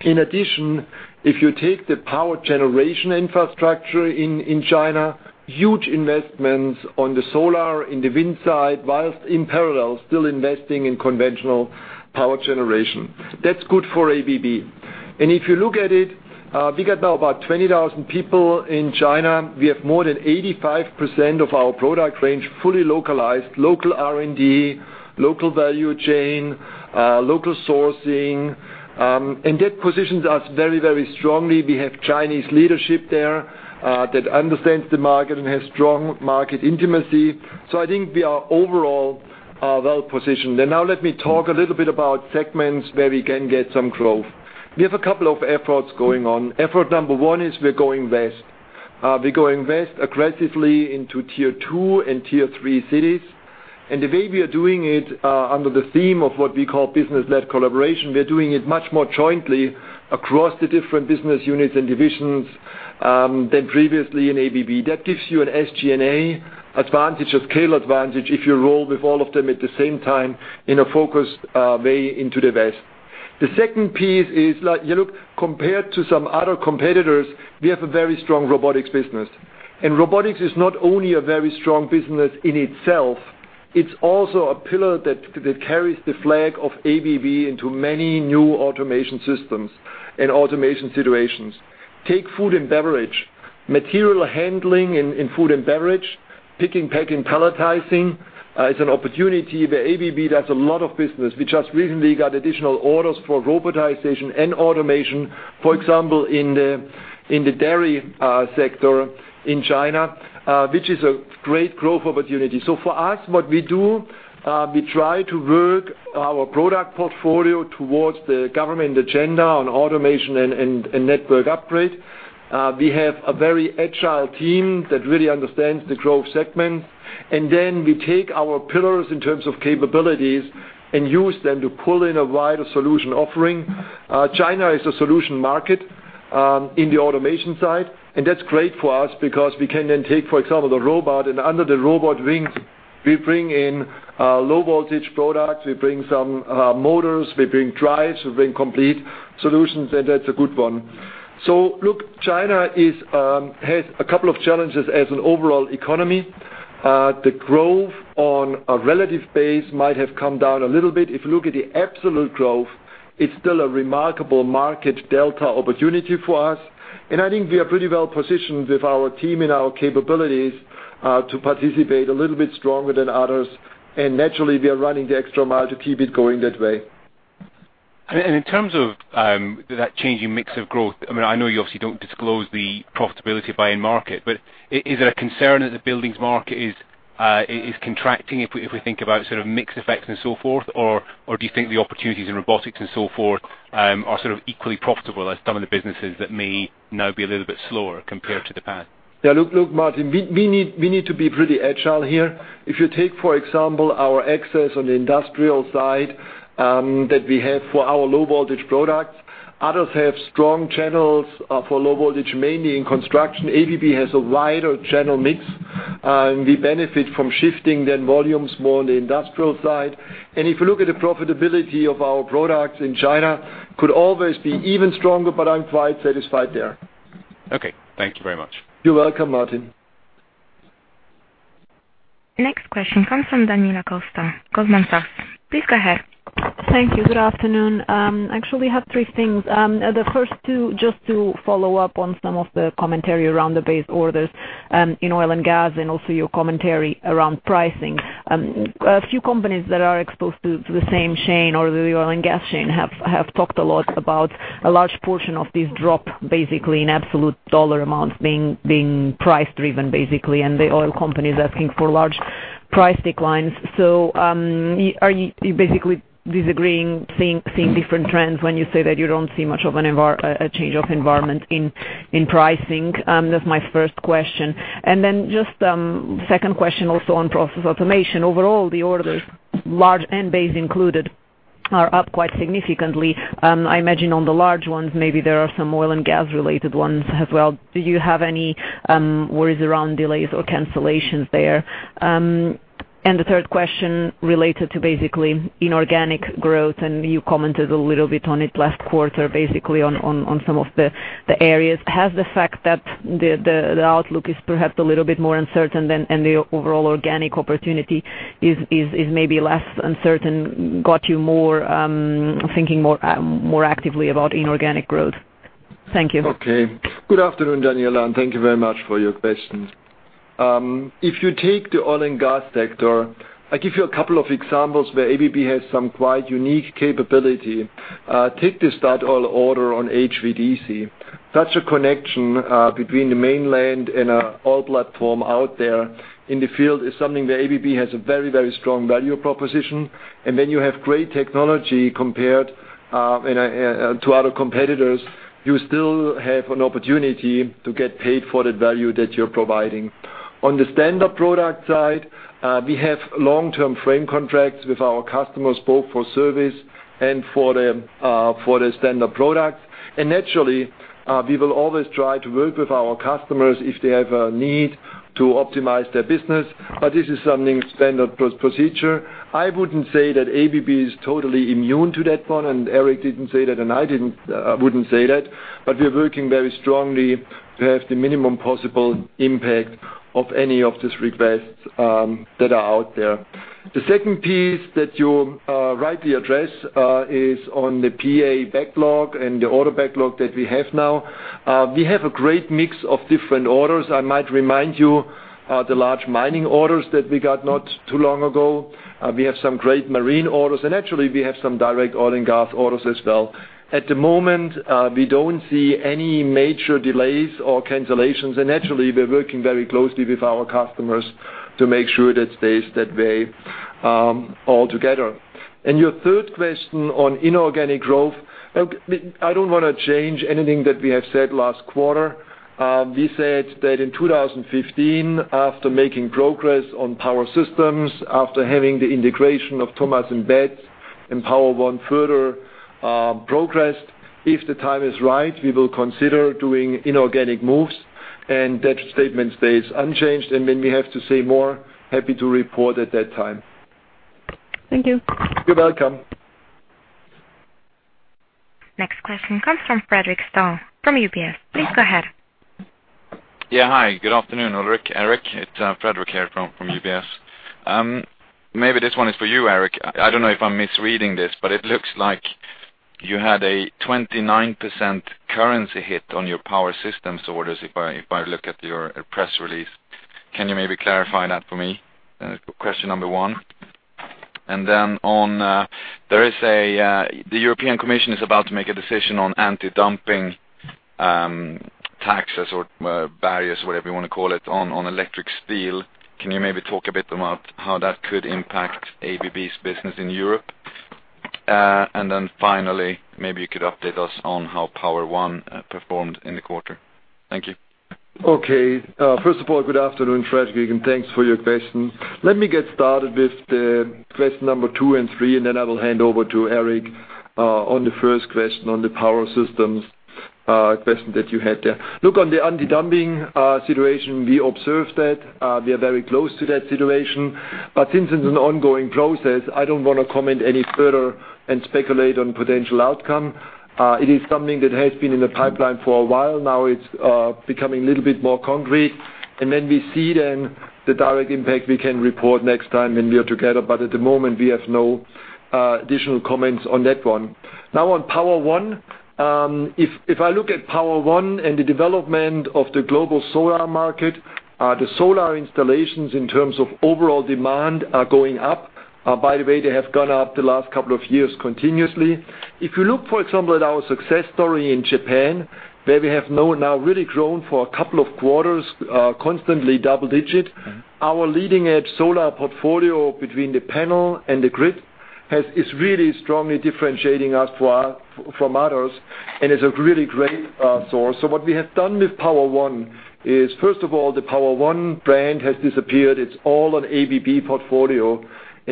In addition, if you take the power generation infrastructure in China, huge investments on the solar and the wind side, whilst in parallel, still investing in conventional power generation. That's good for ABB. If you look at it, we got now about 20,000 people in China. We have more than 85% of our product range fully localized, local R&D, local value chain, local sourcing, and that positions us very strongly. I think we are overall well positioned. Now let me talk a little bit about segments where we can get some growth. We have a couple of efforts going on. Effort number 1 is we're going west. We're going west aggressively into tier 2 and tier 3 cities. The way we are doing it, under the theme of what we call business-led collaboration, we are doing it much more jointly across the different business units and divisions than previously in ABB. That gives you an SG&A advantage, a scale advantage, if you roll with all of them at the same time in a focused way into the West. The second piece is, compared to some other competitors, we have a very strong robotics business. Robotics is not only a very strong business in itself, it's also a pillar that carries the flag of ABB into many new automation systems and automation situations. Take food and beverage. Material handling in food and beverage, picking, packing, palletizing is an opportunity where ABB does a lot of business. We just recently got additional orders for robotization and automation, for example, in the dairy sector in China, which is a great growth opportunity. For us, what we do, we try to work our product portfolio towards the government agenda on automation and network upgrade. We have a very agile team that really understands the growth segment. We take our pillars in terms of capabilities and use them to pull in a wider solution offering. China is a solution market in the automation side, and that's great for us because we can then take, for example, the robot, and under the robot wings, we bring in Low Voltage Products, we bring some motors, we bring drives, we bring complete solutions, and that's a good one. Look, China has a couple of challenges as an overall economy. The growth on a relative base might have come down a little bit. If you look at the absolute growth, it's still a remarkable market delta opportunity for us. I think we are pretty well positioned with our team and our capabilities to participate a little bit stronger than others. Naturally, we are running the extra mile to keep it going that way. In terms of that changing mix of growth, I know you obviously don't disclose the profitability by end market, but is there a concern that the buildings market is contracting if we think about sort of mix effects and so forth? Or do you think the opportunities in robotics and so forth are sort of equally profitable as some of the businesses that may now be a little bit slower compared to the past? Yeah. Look, Martin, we need to be pretty agile here. If you take, for example, our access on the industrial side that we have for our Low Voltage Products, others have strong channels for low voltage, mainly in construction. ABB has a wider channel mix, and we benefit from shifting the volumes more on the industrial side. If you look at the profitability of our products in China, could always be even stronger, but I'm quite satisfied there. Okay. Thank you very much. You're welcome, Martin. Next question comes from Daniela Costa, Goldman Sachs. Please go ahead. Thank you. Good afternoon. Actually, I have three things. The first two, just to follow up on some of the commentary around the base orders in oil and gas and also your commentary around pricing. A few companies that are exposed to the same chain or the oil and gas chain have talked a lot about a large portion of this drop basically in absolute dollar amounts being price driven, basically, and the oil companies asking for large price declines. Are you basically disagreeing, seeing different trends when you say that you don't see much of a change of environment in pricing? That's my first question. Just second question, also on Process Automation. Overall, the orders, large end base included are up quite significantly. I imagine on the large ones, maybe there are some oil and gas related ones as well. Do you have any worries around delays or cancellations there? The third question related to basically inorganic growth, and you commented a little bit on it last quarter, basically on some of the areas. Has the fact that the outlook is perhaps a little bit more uncertain than any overall organic opportunity is maybe less uncertain, got you thinking more actively about inorganic growth? Thank you. Good afternoon, Daniela, and thank you very much for your questions. If you take the oil and gas sector, I give you a couple of examples where ABB has some quite unique capability. Take the Statoil order on HVDC. Such a connection between the mainland and an oil platform out there in the field is something that ABB has a very strong value proposition. You still have great technology compared to other competitors. You still have an opportunity to get paid for the value that you're providing. On the standard product side, we have long-term frame contracts with our customers, both for service and for the standard product. Naturally, we will always try to work with our customers if they have a need to optimize their business. This is something standard procedure. I wouldn't say that ABB is totally immune to that one, Eric didn't say that, I wouldn't say that, but we're working very strongly to have the minimum possible impact of any of these requests that are out there. The second piece that you rightly address is on the PA backlog and the order backlog that we have now. We have a great mix of different orders. I might remind you, the large mining orders that we got not too long ago. We have some great marine orders. Actually, we have some direct oil and gas orders as well. At the moment, we don't see any major delays or cancellations. Naturally, we're working very closely with our customers to make sure that stays that way altogether. Your third question on inorganic growth. Look, I don't want to change anything that we have said last quarter. We said that in 2015, after making progress on Power Systems, after having the integration of Thomas & Betts and Power-One further progressed. If the time is right, we will consider doing inorganic moves, that statement stays unchanged. When we have to say more, happy to report at that time. Thank you. You're welcome. Next question comes from Fredric Stahl from UBS. Please go ahead. Hi, good afternoon, Ulrich, Eric. It's Fredric here from UBS. Maybe this one is for you, Eric. I don't know if I'm misreading this, but it looks like you had a 29% currency hit on your Power Systems orders if I look at your press release. Can you maybe clarify that for me? Question number one. The European Commission is about to make a decision on anti-dumping taxes or barriers, whatever you want to call it, on electrical steel. Can you maybe talk a bit about how that could impact ABB's business in Europe? Then finally, maybe you could update us on how Power-One performed in the quarter. Thank you. Okay. First of all, good afternoon, Fredric, and thanks for your question. Let me get started with the question number two and three, then I will hand over to Eric on the first question on the Power Systems question that you had there. Look, on the anti-dumping situation, we observed that. We are very close to that situation. But since it's an ongoing process, I don't want to comment any further and speculate on potential outcome. It is something that has been in the pipeline for a while now. It's becoming a little bit more concrete. When we see then the direct impact we can report next time when we are together. At the moment, we have no additional comments on that one. Now on Power-One. If I look at Power-One and the development of the global solar market, the solar installations in terms of overall demand are going up. By the way, they have gone up the last couple of years continuously. If you look, for example, at our success story in Japan, where we have now really grown for a couple of quarters, constantly double-digit. Our leading edge solar portfolio between the panel and the grid is really strongly differentiating us from others, and is a really great source. What we have done with Power-One is, first of all, the Power-One brand has disappeared. It's all on ABB portfolio.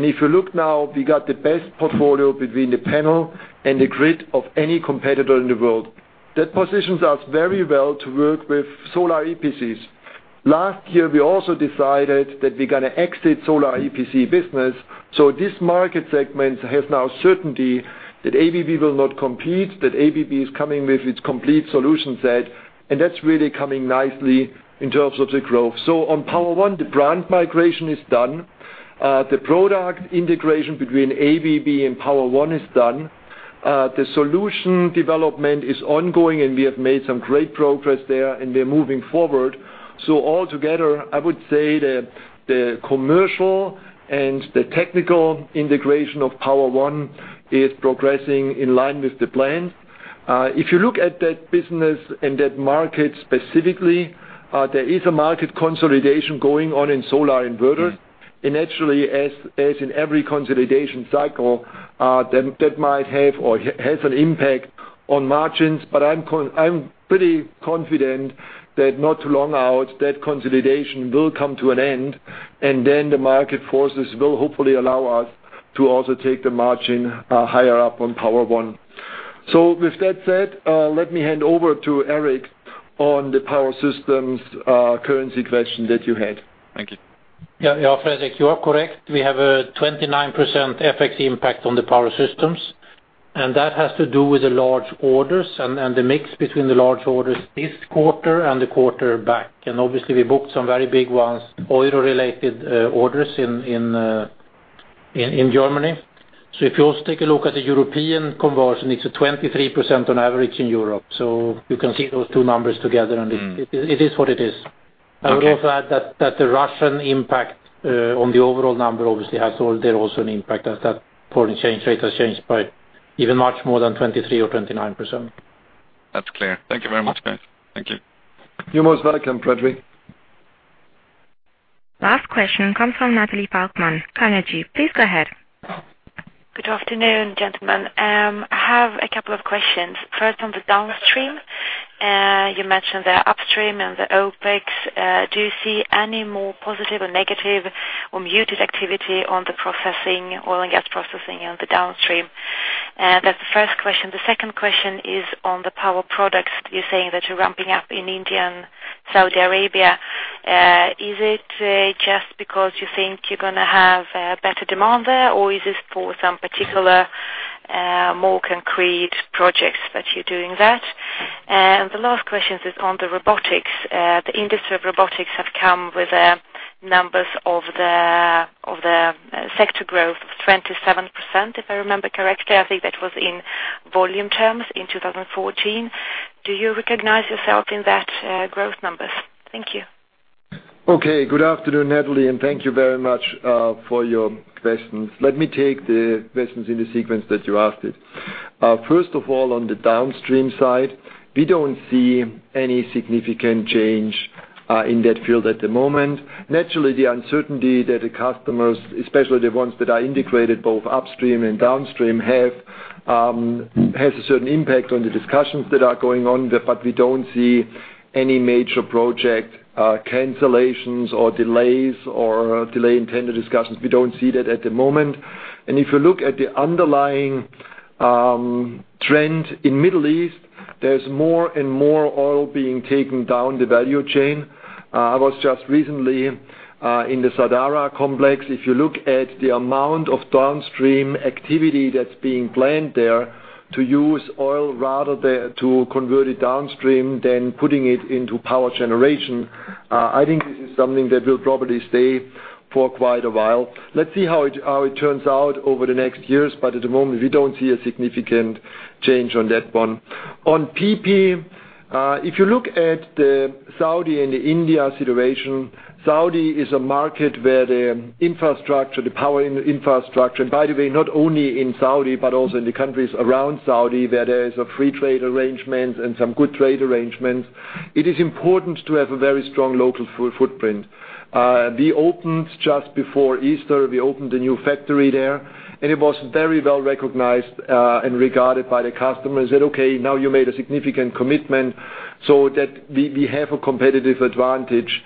If you look now, we got the best portfolio between the panel and the grid of any competitor in the world. That positions us very well to work with solar EPCs. Last year, we also decided that we're going to exit solar EPC business. This market segment has now certainty that ABB will not compete, that ABB is coming with its complete solution set, and that's really coming nicely in terms of the growth. On Power-One, the brand migration is done. The product integration between ABB and Power-One is done. The solution development is ongoing, and we have made some great progress there, and we're moving forward. Altogether, I would say that the commercial and the technical integration of Power-One is progressing in line with the plan. If you look at that business and that market specifically, there is a market consolidation going on in solar inverters. Naturally, as in every consolidation cycle, that might have or has an impact on margins. I'm pretty confident that not too long out, that consolidation will come to an end, and then the market forces will hopefully allow us to also take the margin higher up on Power-One. With that said, let me hand over to Eric on the Power Systems currency question that you had. Thank you. Fredric, you are correct. We have a 29% FX impact on the Power Systems, and that has to do with the large orders and the mix between the large orders this quarter and the quarter back. Obviously we booked some very big ones, oil-related orders in Germany. If you also take a look at the European conversion, it's a 23% on average in Europe. You can see those two numbers together, and it is what it is. Okay. I would also add that the Russian impact on the overall number obviously has there also an impact as that foreign exchange rate has changed by even much more than 23% or 29%. That's clear. Thank you very much, guys. Thank you. You're most welcome, Fredric. Last question comes from Natalie Falkman, Carnegie. Please go ahead. Good afternoon, gentlemen. I have a couple of questions. First, on the downstream, you mentioned the upstream and the OpEx. Do you see any more positive or negative or muted activity on the oil and gas processing and the downstream? That's the first question. The second question is on the Power Products. You're saying that you're ramping up in India and Saudi Arabia. Is it just because you think you're going to have better demand there, or is this for some particular more concrete projects that you're doing that? The last question is on the robotics. The industry of robotics have come with numbers of the sector growth of 27%, if I remember correctly. I think that was in volume terms in 2014. Do you recognize yourself in that growth numbers? Thank you. Good afternoon, Natalie, and thank you very much for your questions. Let me take the questions in the sequence that you asked it. First of all, on the downstream side, we don't see any significant change in that field at the moment. Naturally, the uncertainty that the customers, especially the ones that are integrated both upstream and downstream, has a certain impact on the discussions that are going on. We don't see any major project cancellations or delays or delay in tender discussions. We don't see that at the moment. If you look at the underlying trend in Middle East, there's more and more oil being taken down the value chain. I was just recently in the Sadara complex. If you look at the amount of downstream activity that's being planned there to use oil rather than to convert it downstream, than putting it into power generation, I think this is something that will probably stay for quite a while. Let's see how it turns out over the next years. At the moment, we don't see a significant change on that one. On PP, if you look at the Saudi and the India situation, Saudi is a market where the power infrastructure, and by the way, not only in Saudi, but also in the countries around Saudi, where there is a free trade arrangement and some good trade arrangements. It is important to have a very strong local footprint. Just before Easter, we opened a new factory there, it was very well-recognized and regarded by the customers. They said, "Okay, now you made a significant commitment." That we have a competitive advantage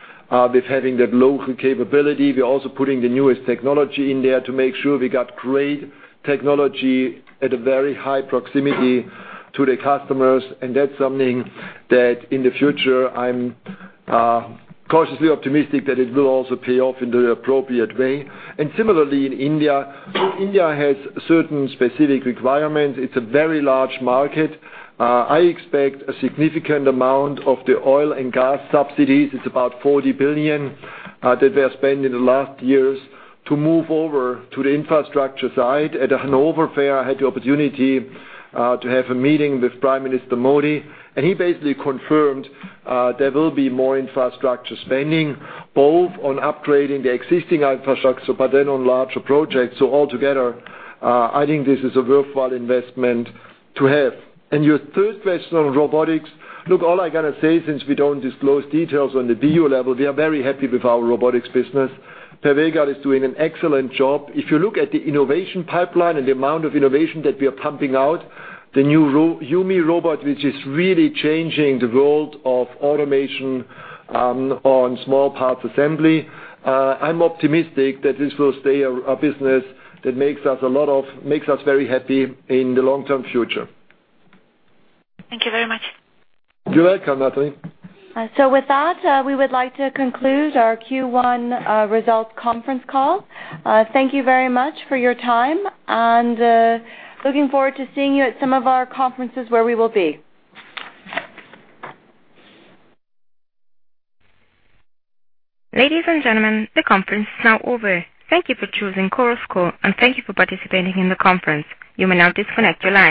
with having that local capability. We're also putting the newest technology in there to make sure we got great technology at a very high proximity to the customers. That's something that in the future, I'm cautiously optimistic that it will also pay off in the appropriate way. Similarly, in India. India has certain specific requirements. It's a very large market. I expect a significant amount of the oil and gas subsidies. It's about 40 billion that were spent in the last years to move over to the infrastructure side. At the Hanover Fair, I had the opportunity to have a meeting with Prime Minister Modi, and he basically confirmed there will be more infrastructure spending, both on upgrading the existing infrastructure, but then on larger projects. Altogether, I think this is a worthwhile investment to have. Your third question on robotics. Look, all I got to say, since we don't disclose details on the BU level, we are very happy with our robotics business. Per Vegard is doing an excellent job. If you look at the innovation pipeline and the amount of innovation that we are pumping out, the new YuMi robot, which is really changing the world of automation on small parts assembly. I'm optimistic that this will stay a business that makes us very happy in the long-term future. Thank you very much. You're welcome, Natalie. With that, we would like to conclude our Q1 results conference call. Thank you very much for your time, and looking forward to seeing you at some of our conferences where we will be. Ladies and gentlemen, the conference is now over. Thank you for choosing Chorus Call, and thank you for participating in the conference. You may now disconnect your line.